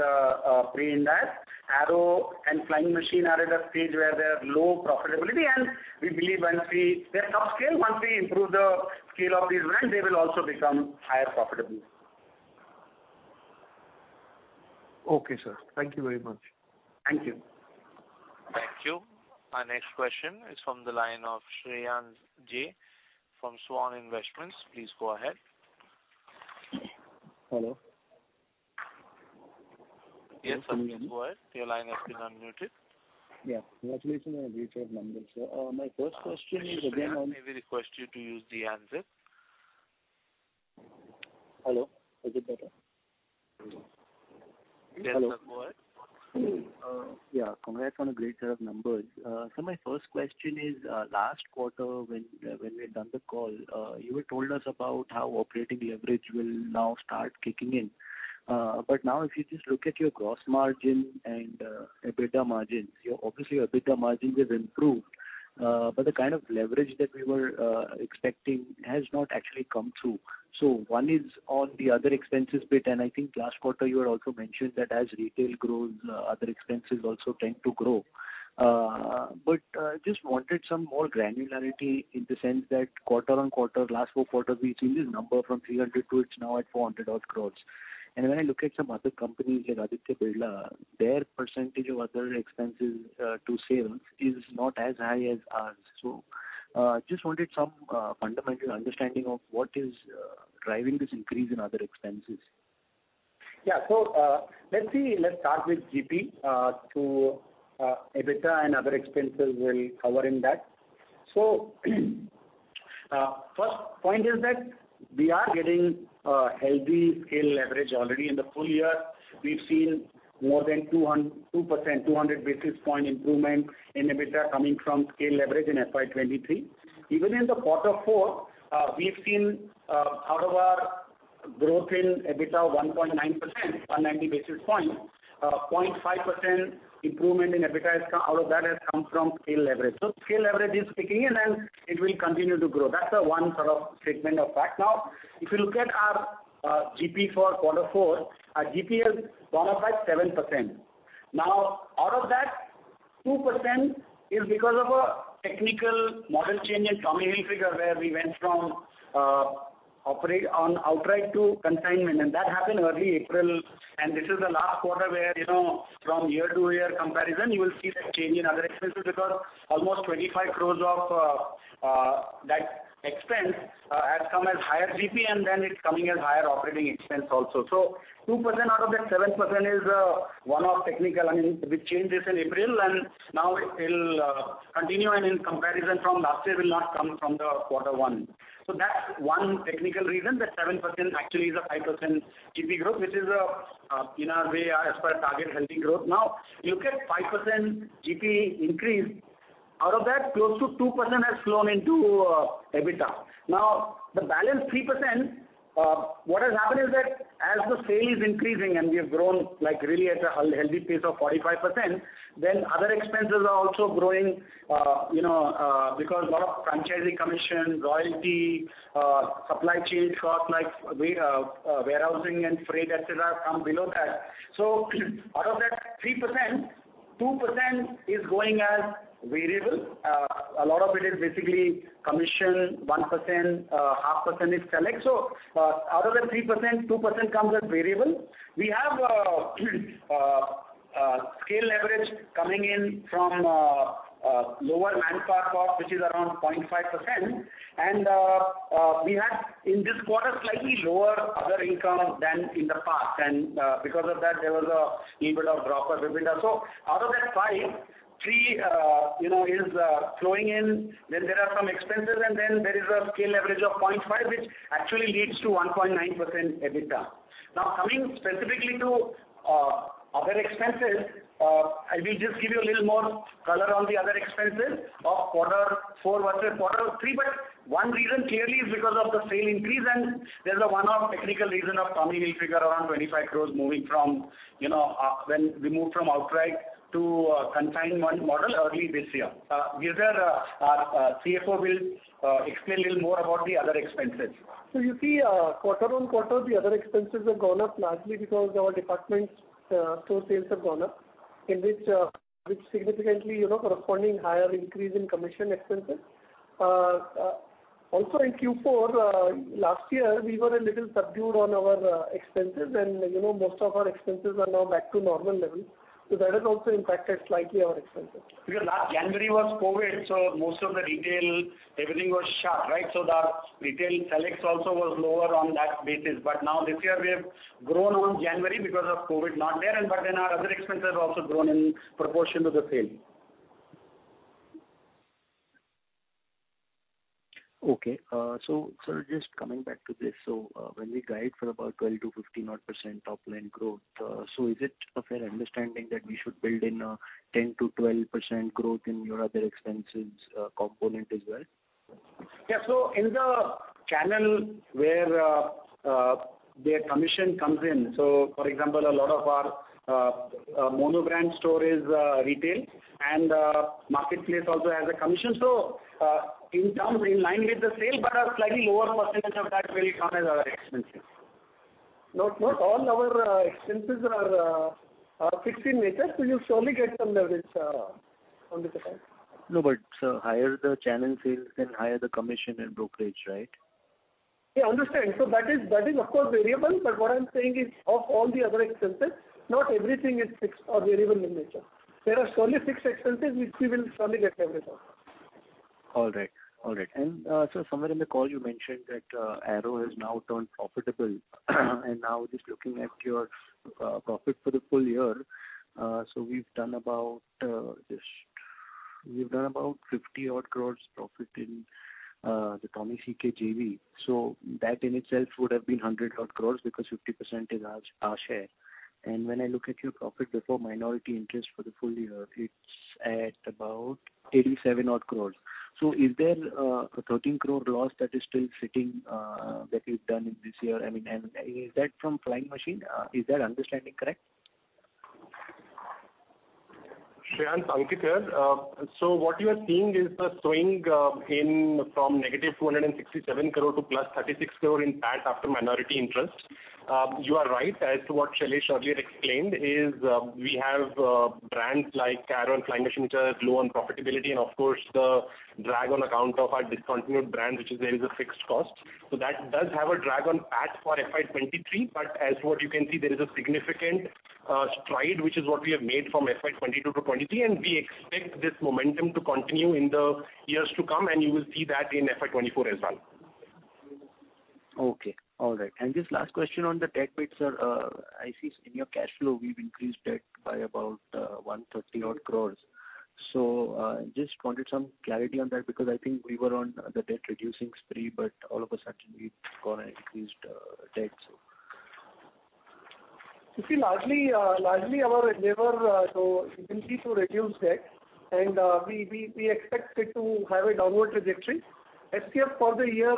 pre-Ind AS. Arrow and Flying Machine are at a stage where they have low profitability, and we believe they're subscale, once we improve the scale of these brands, they will also become higher profitable. Okay, sir. Thank you very much. Thank you. Thank you. Our next question is from the line of Shreyansh Jain from Swan Investments. Please go ahead. Hello? Yes, sir, please go ahead. Your line has been unmuted. Congratulations on a great set of numbers, sir. My first question is again. Shreyansh, may we request you to use the answer? Hello, is it better? Yes, sir, go ahead. Yeah, congrats on a great set of numbers. My first question is, last quarter when we had done the call, you had told us about how operating leverage will now start kicking in. Now if you just look at your gross margin and EBITDA margins, your obviously EBITDA margins has improved, but the kind of leverage that we were expecting has not actually come through. One is on the other expenses bit, and I think last quarter you had also mentioned that as retail grows, other expenses also tend to grow. Just wanted some more granularity in the sense that quarter-on-quarter, last four quarters, we've seen this number from 300 to it's now at 400 odd crores. When I look at some other companies like Aditya Birla, their % of other expenses to sales is not as high as ours. Just wanted some fundamental understanding of what is driving this increase in other expenses. Yeah. Let's see, let's start with GP, to EBITDA and other expenses we'll cover in that. First point is that we are getting a healthy scale leverage already. In the full year, we've seen more than 2%, 200 basis point improvement in EBITDA coming from scale leverage in FY 2023. Even in the quarter 4, we've seen, out of our growth in EBITDA of 1.9%, 190 basis points, 0.5% improvement in EBITDA out of that has come from scale leverage. Scale leverage is kicking in, and it will continue to grow. That's the one sort of statement of fact. If you look at our GP for quarter 4, our GP has gone up by 7%. Out of that, 2% is because of a technical model change in Tommy Hilfiger, where we went from operate on outright to consignment, and that happened early April. This is the last quarter where, you know, from year-to-year comparison, you will see that change in other expenses, because almost 25 crores of that expense has come as higher GP, and then it's coming as higher operating expense also. 2% out of that 7% is one-off technical. I mean, we changed this in April, now it will continue, in comparison from last year, will not come from the quarter one. That's one technical reason, that 7% actually is a 5% GP growth, which is in our way as per target healthy growth. Look at 5% GP increase. Out of that, close to 2% has flown into EBITDA. The balance 3%, what has happened is that as the sale is increasing and we have grown, like, really at a healthy pace of 45%, other expenses are also growing, you know, because lot of franchisee commission, royalty, supply chain costs, like, warehousing and freight, et cetera, come below that. Out of that 3%, 2% is going as variable. A lot of it is basically commission, 1%, half percent is select. Out of the 3%, 2% comes as variable. We have scale leverage coming in from lower manpower cost, which is around 0.5%. We had in this quarter, slightly lower other income than in the past, because of that, there was a little bit of drop of EBITDA. Out of that 5.3, you know, is flowing in. There are some expenses, there is a scale leverage of 0.5, which actually leads to 1.9% EBITDA. Coming specifically to other expenses, I will just give you a little more color on the other expenses of quarter four versus quarter three. One reason clearly is because of the sale increase, and there's a one-off technical reason of Tommy Hilfiger around 25 crores moving from, when we moved from outright to consignment model early this year. Girdhar, our CFO will explain a little more about the other expenses. You see, quarter-on-quarter, the other expenses have gone up largely because our department store sales have gone up, which significantly, you know, corresponding higher increase in commission expenses. In Q4 last year, we were a little subdued on our expenses, and, you know, most of our expenses are now back to normal levels. That has also impacted slightly our expenses. Last January was COVID, so most of the retail, everything was shut, right? The retail selects also was lower on that basis. Now this year we have grown on January because of COVID not there, and but then our other expenses have also grown in proportion to the sale. Okay, so, sir, just coming back to this. When we guide for about 12-15% odd top line growth, is it a fair understanding that we should build in a 10-12% growth in your other expenses, component as well? ...Yeah, in the channel where their commission comes in, for example, a lot of our monobrand store is retail, and marketplace also has a commission. In terms in line with the sale, but a slightly lower percentage of that will come as our expenses. Not all our expenses are fixed in nature, so you'll surely get some leverage, on the time. No, but, sir, higher the channel sales, then higher the commission and brokerage, right? Yeah, I understand. That is, of course, variable, but what I'm saying is, of all the other expenses, not everything is fixed or variable in nature. There are surely fixed expenses, which we will surely get leverage on. All right. All right. Somewhere in the call, you mentioned that Arrow has now turned profitable, and now just looking at your profit for the full year, we've done about 50 odd crores profit in the Tommy CK JV. That in itself would have been 100 odd crores, because 50% is our share. When I look at your profit before minority interest for the full year, it's at about 87 odd crores. Is there an 13 crore loss that is still sitting that you've done in this year? I mean, is that from Flying Machine? Is that understanding correct? Shreyansh Jain, Ankit here. What you are seeing is a swing in from negative 267 crore to plus 36 crore in PAT after minority interest. You are right, as to what Shailesh earlier explained, is, we have brands like Arrow and Flying Machine, which are low on profitability, and of course, the drag on account of our discontinued brand, which is there is a fixed cost. That does have a drag on PAT for FY 2023, but as what you can see, there is a significant stride, which is what we have made from FY 2022 to 2023, and we expect this momentum to continue in the years to come, and you will see that in FY 2024 as well. Okay. All right. Just last question on the tech bit, sir, I see in your cash flow, we've increased debt by about 130 odd crores. Just wanted some clarity on that, because I think we were on the debt-reducing spree, but all of a suddenly, we've gone and increased debt, so. You see, largely our endeavor, so indeed to reduce debt. We expect it to have a downward trajectory. FCF for the year,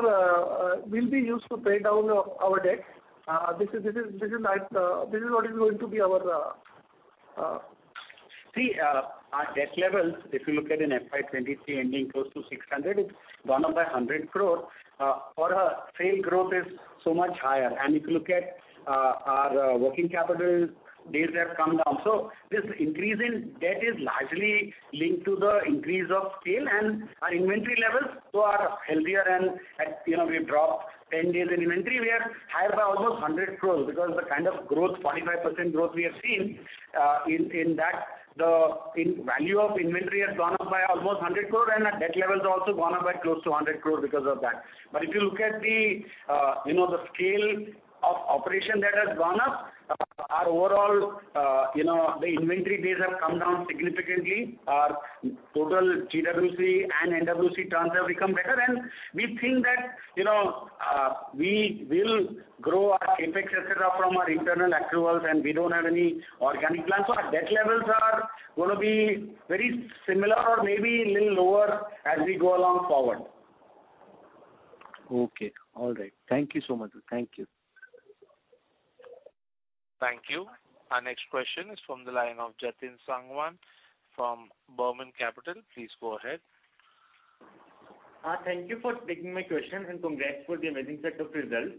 will be used to pay down our debt. This is like, this is what is going to be our. See, our debt levels, if you look at in FY23, ending close to 600 crore, it's gone up by 100 crore. Our sale growth is so much higher. If you look at our working capital days have come down. This increase in debt is largely linked to the increase of scale and our inventory levels, so are healthier and, you know, we've dropped 10 days in inventory. We are higher by almost 100 crore, because the kind of growth, 45% growth we have seen, in that, the value of inventory has gone up by almost 100 crore, and our debt levels are also gone up by close to 100 crore because of that. If you look at the, you know, the scale of operation that has gone up, our overall, you know, the inventory days have come down significantly. Our total GWC and NWC terms have become better, and we think that, you know, we will grow our CapEx, et cetera, from our internal accruals, and we don't have any organic plans, so our debt levels are gonna be very similar or maybe a little lower as we go along forward. Okay. All right. Thank you so much. Thank you. Thank you. Our next question is from the line of Jatin Sangwan from Burman Capital. Please go ahead. Thank you for taking my question, congrats for the amazing set of results.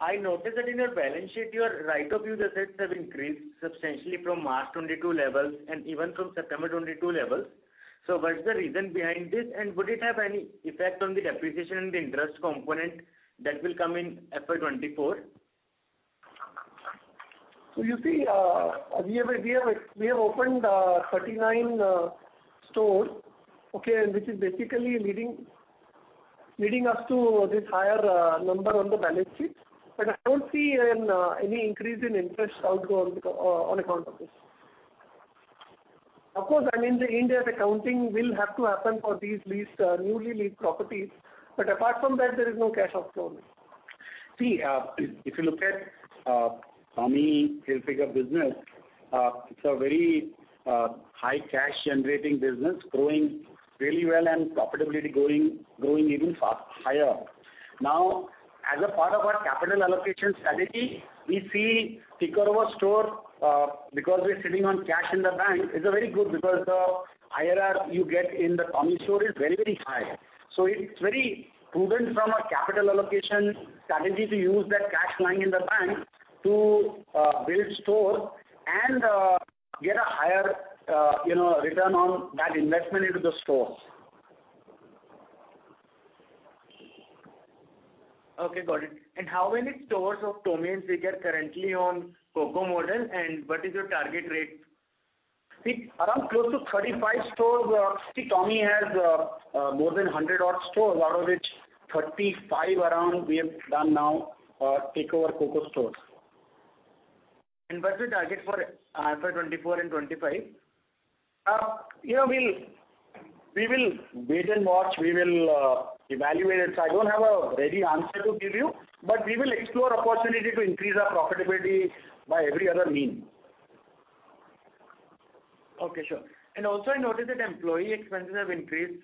I noticed that in your balance sheet, your right-of-use assets have increased substantially from March 2022 levels and even from September 2022 levels. What is the reason behind this, and would it have any effect on the depreciation and the interest component that will come in FY 2024? You see, we have opened 39 stores, okay, and which is basically leading us to this higher number on the balance sheet. I don't see any increase in interest outgo on account of this. Of course, I mean, the India accounting will have to happen for these leased, newly leased properties, but apart from that, there is no cash outflow. If you look at Tommy Hilfiger business, it's a very high cash-generating business, growing really well and profitability growing even fast, higher. As a part of our capital allocation strategy, we see takeover store, because we're sitting on cash in the bank, is a very good because the IRR you get in the Tommy store is very, very high. It's very proven from a capital allocation strategy to use that cash lying in the bank to build stores and get a higher, you know, return on that investment into the stores. Okay, got it. How many stores of Tommy Hilfiger are currently on COCO model, and what is your target rate? Around close to 35 stores. Tommy has more than 100 odd stores, out of which 35 around we have done now, takeover COCO stores. What's the target for FY 2024 and 2025? you know, we will wait and watch. We will evaluate it. I don't have a ready answer to give you, but we will explore opportunity to increase our profitability by every other mean. Okay, sure. Also I noticed that employee expenses have increased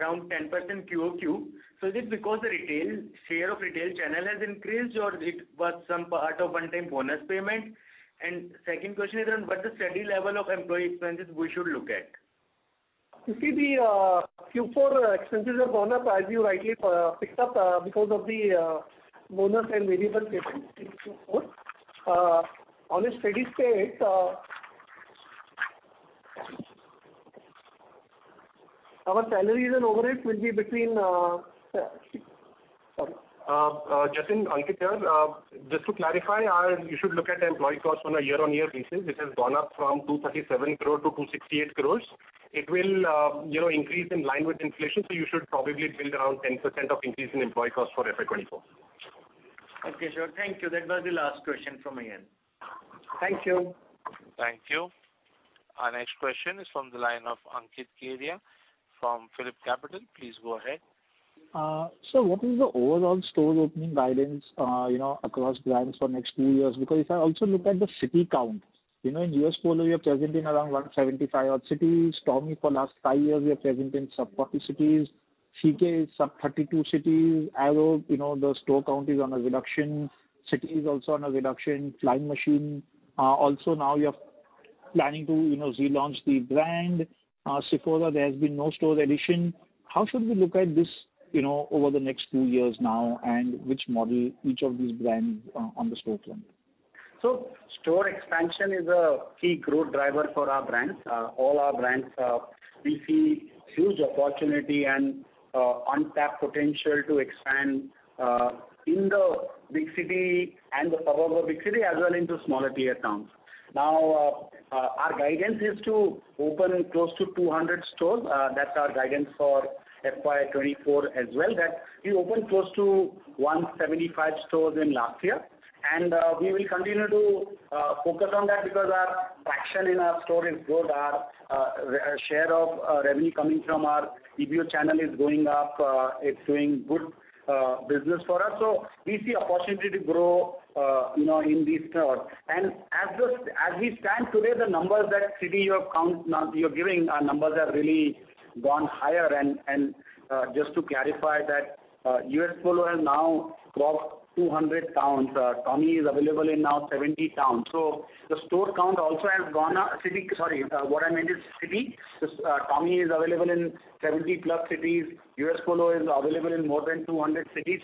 around 10% QOQ. Is it because the retail, share of retail channel has increased, or it was some part of one-time bonus payment? Second question is on what the steady level of employee expenses we should look at? You see the Q4 expenses have gone up, as you rightly picked up, because of the bonus and variable payment in Q4. On a steady state, our salaries and overheads will be between, sorry. Jatin, Ankit here. Just to clarify, you should look at the employee cost on a year-on-year basis, which has gone up from 237 crore to 268 crore. It will, you know, increase in line with inflation, so you should probably build around 10% of increase in employee cost for FY 2024. Okay, sure. Thank you. That was the last question from my end. Thank you. Thank you. Our next question is from the line of Ankit Kedia from PhillipCapital. Please go ahead. What is the overall store opening guidance, you know, across brands for next two years? If I also look at the city count, you know, in U.S. Polo, we are present in around 175 odd cities. Tommy, for last five years, we are present in sub 40 cities. CK is sub 32 cities. Arrow, you know, the store count is on a reduction, city is also on a reduction. Flying Machine, also now you're planning to, you know, relaunch the brand. Sephora, there has been no store addition. How should we look at this, you know, over the next two years now, and which model, each of these brands, on the store plan? Store expansion is a key growth driver for our brands, all our brands. We see huge opportunity and untapped potential to expand in the big city and the suburbs of big city, as well into smaller tier towns. Now, our guidance is to open close to 200 stores, that's our guidance for FY 2024 as well, that we opened close to 175 stores in last year. We will continue to focus on that because our traction in our store is good. Our share of revenue coming from our EBO channel is going up, it's doing good business for us. We see opportunity to grow, you know, in these stores. As we stand today, the numbers that city you count, now you're giving, our numbers have really gone higher. Just to clarify that U.S. Polo has now crossed 200 towns. Tommy is available in now 70 towns. The store count also has gone up, city. Sorry, what I meant is city. Tommy is available in 70+ cities, U.S. Polo is available in more than 200 cities.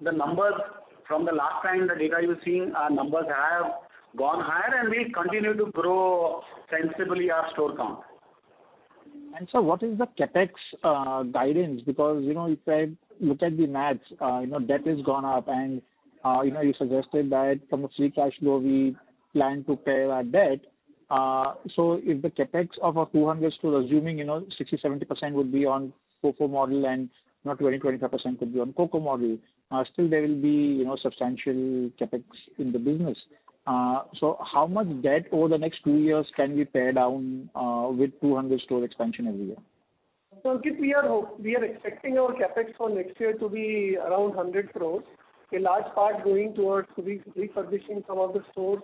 The numbers from the last time, the data you're seeing, our numbers have gone higher, and we continue to grow sensibly our store count. What is the CapEx guidance? Because, you know, you said, look at the maths, you know, debt has gone up. You know, you suggested that from a free cash flow, we plan to pay our debt. If the CapEx of a 200 stores, assuming, you know, 60%-70% would be on FoFo model and, you know, 20%-25% could be on CoCo model, still there will be, you know, substantial CapEx in the business. How much debt over the next two years can we pay down with 200 store expansion every year? Ankit, we are expecting our CapEx for next year to be around 100 crore, a large part going towards refurbishing some of the stores,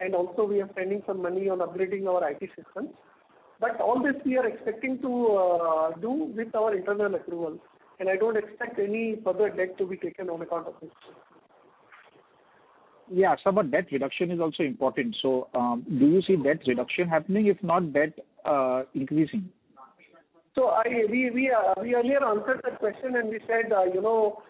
and also we are spending some money on upgrading our IT systems. All this we are expecting to do with our internal accruals, and I don't expect any further debt to be taken on account of this. Yeah, sir, debt reduction is also important. Do you see debt reduction happening, if not debt, increasing? I, we earlier answered that question, and we said, you know,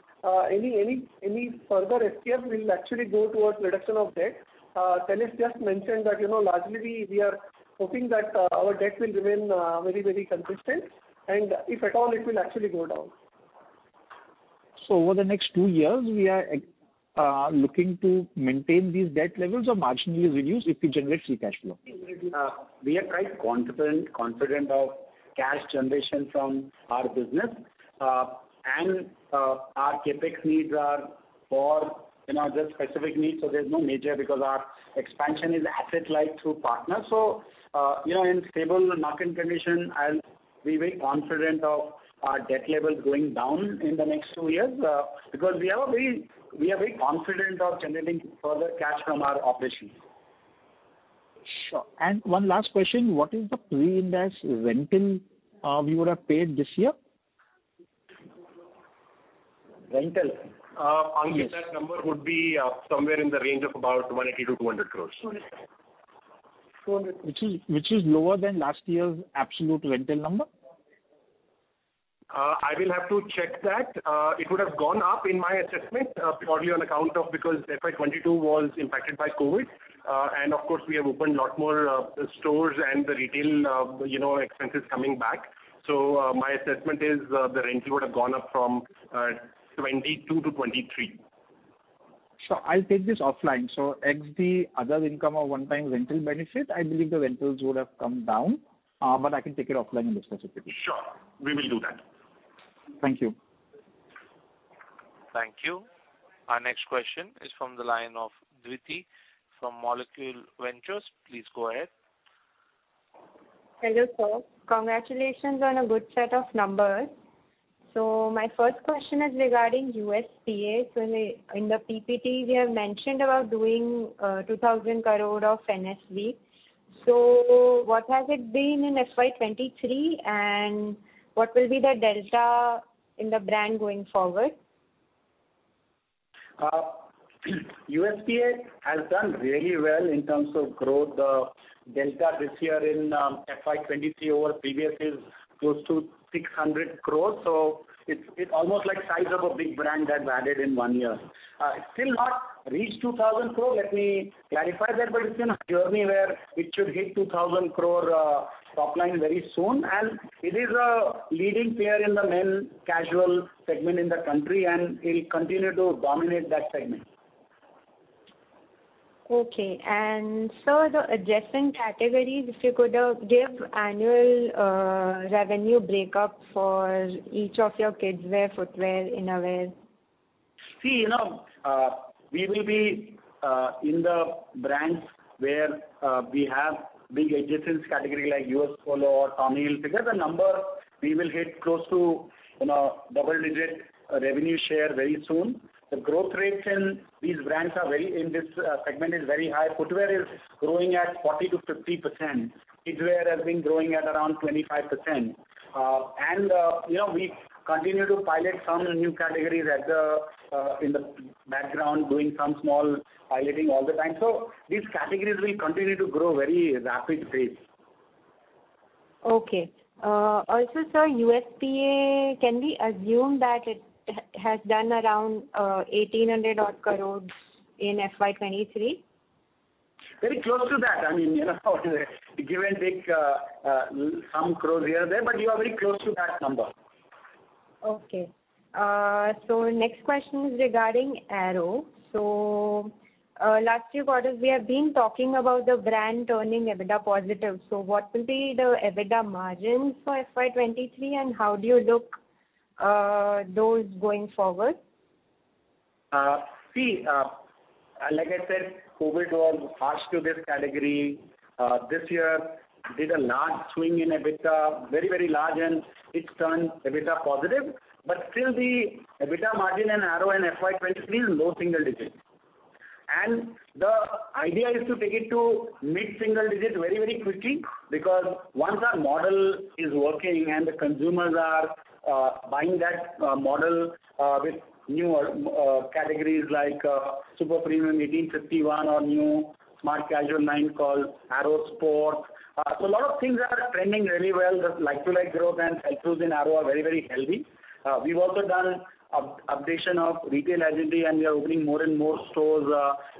any further SPF will actually go towards reduction of debt. Girdhar just mentioned that, you know, largely we are hoping that our debt will remain very consistent, and if at all, it will actually go down. Over the next two years, we are looking to maintain these debt levels or marginally reduce if we generate free cash flow? We are quite confident of cash generation from our business. Our CapEx needs are for, you know, just specific needs, so there's no major because our expansion is asset-light through partners. You know, in stable market condition, I'll be very confident of our debt level going down in the next two years, because we are very confident of generating further cash from our operations. Sure. One last question, what is the pre-Ind AS rental you would have paid this year? Rental? Yes. Ankit, that number would be somewhere in the range of about 180-200 crores. Which is lower than last year's absolute rental number? I will have to check that. It would have gone up in my assessment, purely on account of because FY 2022 was impacted by COVID. Of course, we have opened a lot more stores and the retail, you know, expenses coming back. My assessment is, the rent would have gone up from 2022 to 2023. I'll take this offline. Ex the other income or one-time rental benefit, I believe the rentals would have come down, but I can take it offline and discuss it with you. Sure, we will do that. Thank you. Thank you. Our next question is from the line of Dhviti from Molecule Ventures. Please go ahead. Hello, sir. Congratulations on a good set of numbers. My first question is regarding USPA. In the PPT, you have mentioned about doing 2,000 crore of NSV. What has it been in FY 2023, and what will be the delta in the brand going forward? USPA has done very well in terms of growth. The delta this year in FY 2023 over previous is close to 600 crores. It's almost like size of a big brand that's added in one year. It's still not reached 2,000 crore, let me clarify that, but it's in a journey where it should hit 2,000 crore top line very soon. It is a leading player in the men casual segment in the country. It'll continue to dominate that segment. Okay. Sir, the adjacent categories, if you could give annual revenue break up for each of your kids wear footwear, innerwear. See, you know, we will be in the brands where we have big adjacent category like U.S. Polo or Tommy Hill, because the number we will hit close to, you know, double-digit revenue share very soon. The growth rates in these brands are in this segment is very high. Footwear is growing at 40%-50%. Kidswear has been growing at around 25%. You know, we continue to pilot some new categories as in the background, doing some small piloting all the time. These categories will continue to grow very rapid pace. Also, sir, USPA, can we assume that it has done around 1,800 odd crores in FY 2023? Very close to that. I mean, you know, give and take INR some crores here and there, but you are very close to that number. Okay. Next question is regarding Arrow. Last few quarters, we have been talking about the brand turning EBITDA positive. What will be the EBITDA margins for FY 2023, and how do you look those going forward? Like I said, COVID was harsh to this category. This year did a large swing in EBITDA, very, very large, and it's turned EBITDA positive. But still the EBITDA margin in Arrow in FY 2023 is low single digits. The idea is to take it to mid-single digits very, very quickly, because once our model is working and the consumers are buying that model with newer categories like Super Premium 1851 or new smart casual line called Arrow Sport. A lot of things are trending really well. The like-to-like growth and sales growth in Arrow are very, very healthy. We've also done up-gradation of retail identity, and we are opening more and more stores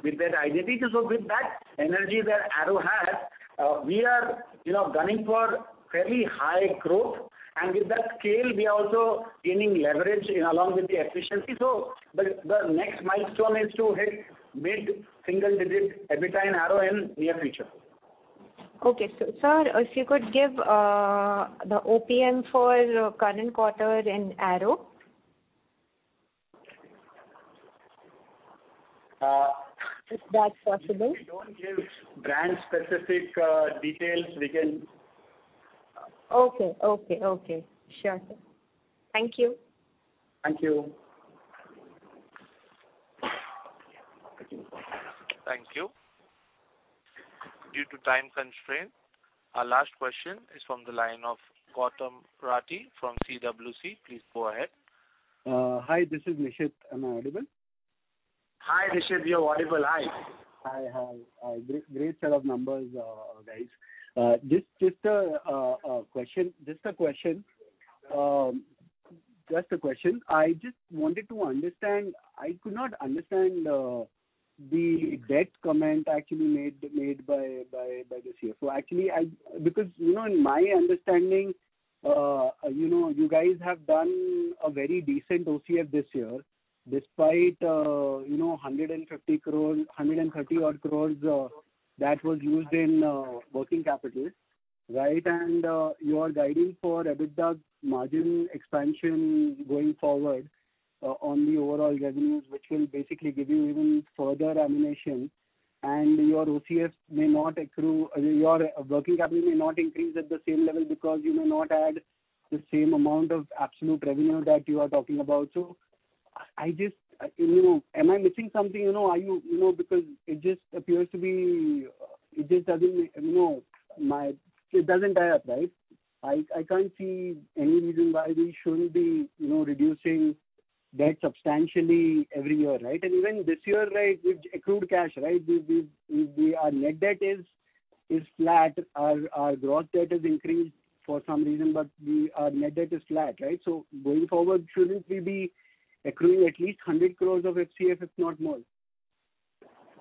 with that identity. With that energy that Arrow has, we are, you know, gunning for very high growth, and with that scale, we are also gaining leverage along with the efficiency. The next milestone is to hit mid-single digit EBITDA in Arrow in near future. Sir, if you could give the OPM for current quarter in Arrow? Uh. If that's possible. We don't give brand-specific details. Okay, okay. Sure, sir. Thank you. Thank you. Thank you. Due to time constraint, our last question is from the line of Gautam Rathi from CWC. Please go ahead. hi, this is Nishit. Am I audible? Hi, Nishit. You are audible. Hi. Hi. Great set of numbers, guys. Just a question. I just wanted to understand. I could not understand the debt comment actually made by the CFO. Actually, because, you know, in my understanding, you know, you guys have done a very decent OCF this year, despite, you know, 150 crores, 130 odd crores that was used in working capital, right? You are guiding for EBITDA's margin expansion going forward on the overall revenues, which will basically give you even further ammunition. Your OCF may not accrue, your working capital may not increase at the same level because you may not add the same amount of absolute revenue that you are talking about. I just, you know, am I missing something? Are you know, it just appears to be, it just doesn't, you know, it doesn't add up, right? I can't see any reason why we shouldn't be, you know, reducing debt substantially every year, right? Even this year, like, we've accrued cash, right? We, our net debt is flat. Our gross debt has increased for some reason, our net debt is flat, right? Going forward, shouldn't we be accruing at least 100 crores of FCF, if not more?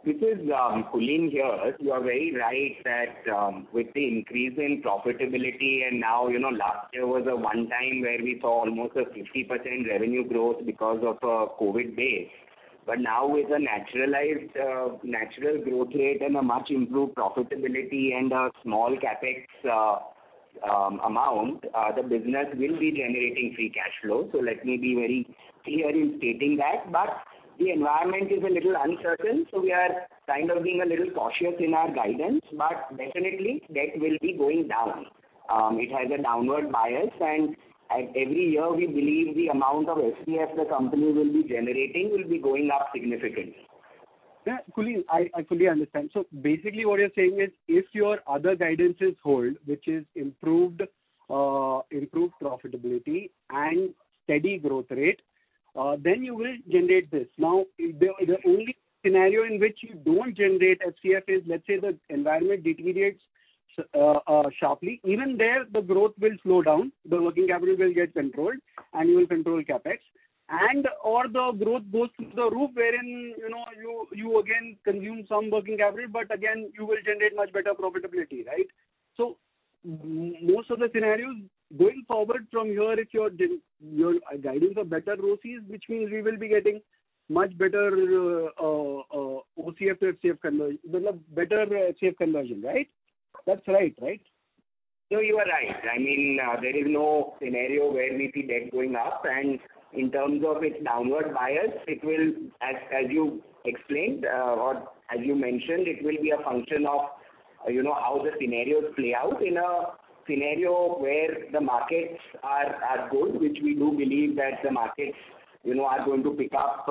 This is Girdhar here. You are very right that with the increase in profitability and now, you know, last year was a one time where we saw almost a 50% revenue growth because of COVID base. Now with a naturalized natural growth rate and a much improved profitability and a small CapEx amount, the business will be generating free cash flow. Let me be very clear in stating that, but the environment is a little uncertain, so we are kind of being a little cautious in our guidance, but definitely debt will be going down. It has a downward bias, and at every year, we believe the amount of FCF the company will be generating will be going up significantly. Yeah, fully, I fully understand. Basically what you're saying is, if your other guidances hold, which is improved profitability and steady growth rate, then you will generate this. Now, the only scenario in which you don't generate FCF is, let's say, the environment deteriorates sharply. Even there, the growth will slow down, the working capital will get controlled, and you will control CapEx. And/or the growth goes through the roof, wherein, you know, you again consume some working capital, but again, you will generate much better profitability, right? So most of the scenarios going forward from here, if your guidance are better ROCEs, which means we will be getting much better OCF to FCF conversion, better CF conversion, right? That's right? No, you are right. I mean, there is no scenario where we see debt going up. In terms of its downward bias, it will, as you explained, or as you mentioned, it will be a function of, you know, how the scenarios play out. In a scenario where the markets are good, which we do believe that the markets, you know, are going to pick up,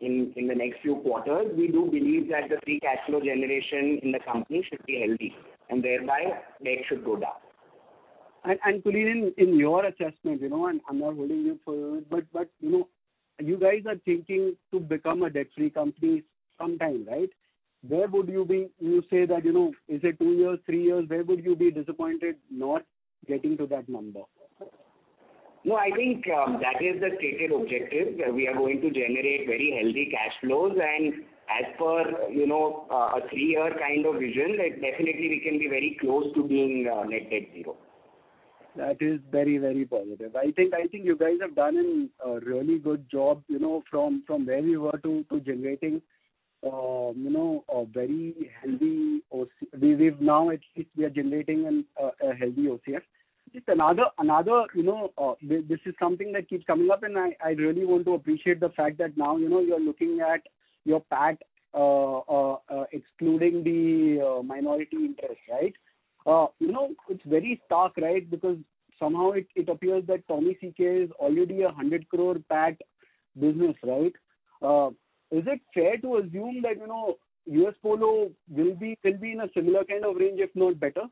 in the next few quarters. We do believe that the free cash flow generation in the company should be healthy, and thereby, debt should go down. Kulin Lalbhai, in your assessment, you know, I'm not holding you for... You know, you guys are thinking to become a debt-free company sometime, right? Where would you say that, you know, is it two years, three years? Where would you be disappointed not getting to that number? No, I think, that is the stated objective, that we are going to generate very healthy cash flows. as per, you know, a three-year kind of vision, it definitely we can be very close to being net debt zero. That is very, very positive. I think you guys have done a really good job, you know, from where we were to generating, you know, a very healthy OC. We've now at least we are generating a healthy OCF. Just another, you know, this is something that keeps coming up, and I really want to appreciate the fact that now, you know, you are looking at your PAT excluding the minority interest, right? You know, it's very stark, right? Somehow it appears that Tommy Hilfiger is already an 100 crore PAT business, right? Is it fair to assume that, you know, U.S. Polo will be in a similar kind of range, if not better?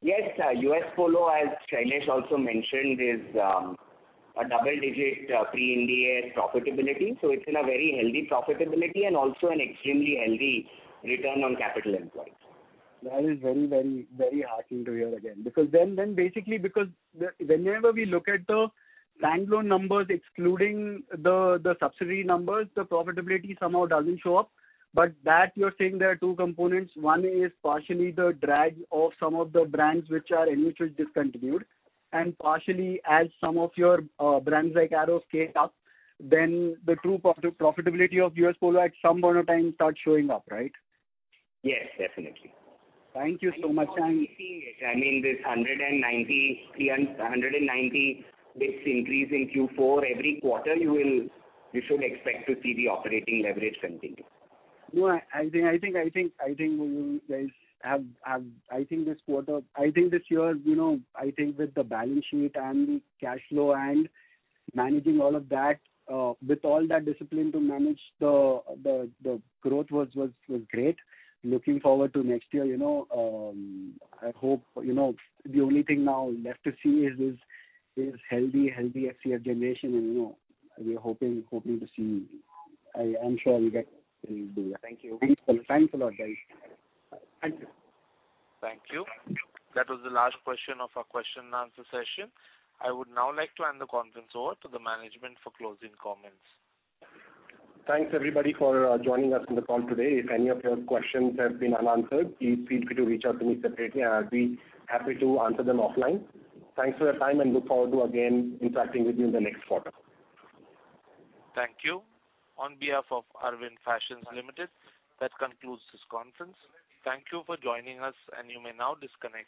US Polo, as Shailesh also mentioned, is a double-digit pre-EBITDA profitability, so it's in a very healthy profitability and also an extremely healthy return on capital employed. That is very heartening to hear again. Whenever we look at the bank loan numbers, excluding the subsidiary numbers, the profitability somehow doesn't show up. That you're saying there are two components. One is partially the drag of some of the brands which are discontinued, and partially as some of your brands like Arrow scale up, then the true profitability of U.S. Polo at some point of time starts showing up, right? Yes, definitely. Thank you so much. I mean, this 193, 190, this increase in Q4, every quarter you should expect to see the operating leverage continue. No, I think you guys have I think this year, you know, I think with the balance sheet and the cash flow and managing all of that, with all that discipline to manage the growth was great. Looking forward to next year, you know, I hope, you know, the only thing now left to see is this, is healthy FCF generation and, you know, we're hoping to see. I'm sure we get there. Thank you. Thanks a lot, guys. Thank you. Thank you. That was the last question of our question and answer session. I would now like to hand the conference over to the management for closing comments. Thanks, everybody, for joining us on the call today. If any of your questions have been unanswered, please feel free to reach out to me separately, I'll be happy to answer them offline. Thanks for your time, look forward to again interacting with you in the next quarter. Thank you. On behalf of Arvind Fashions Limited, that concludes this conference. Thank you for joining us, and you may now disconnect.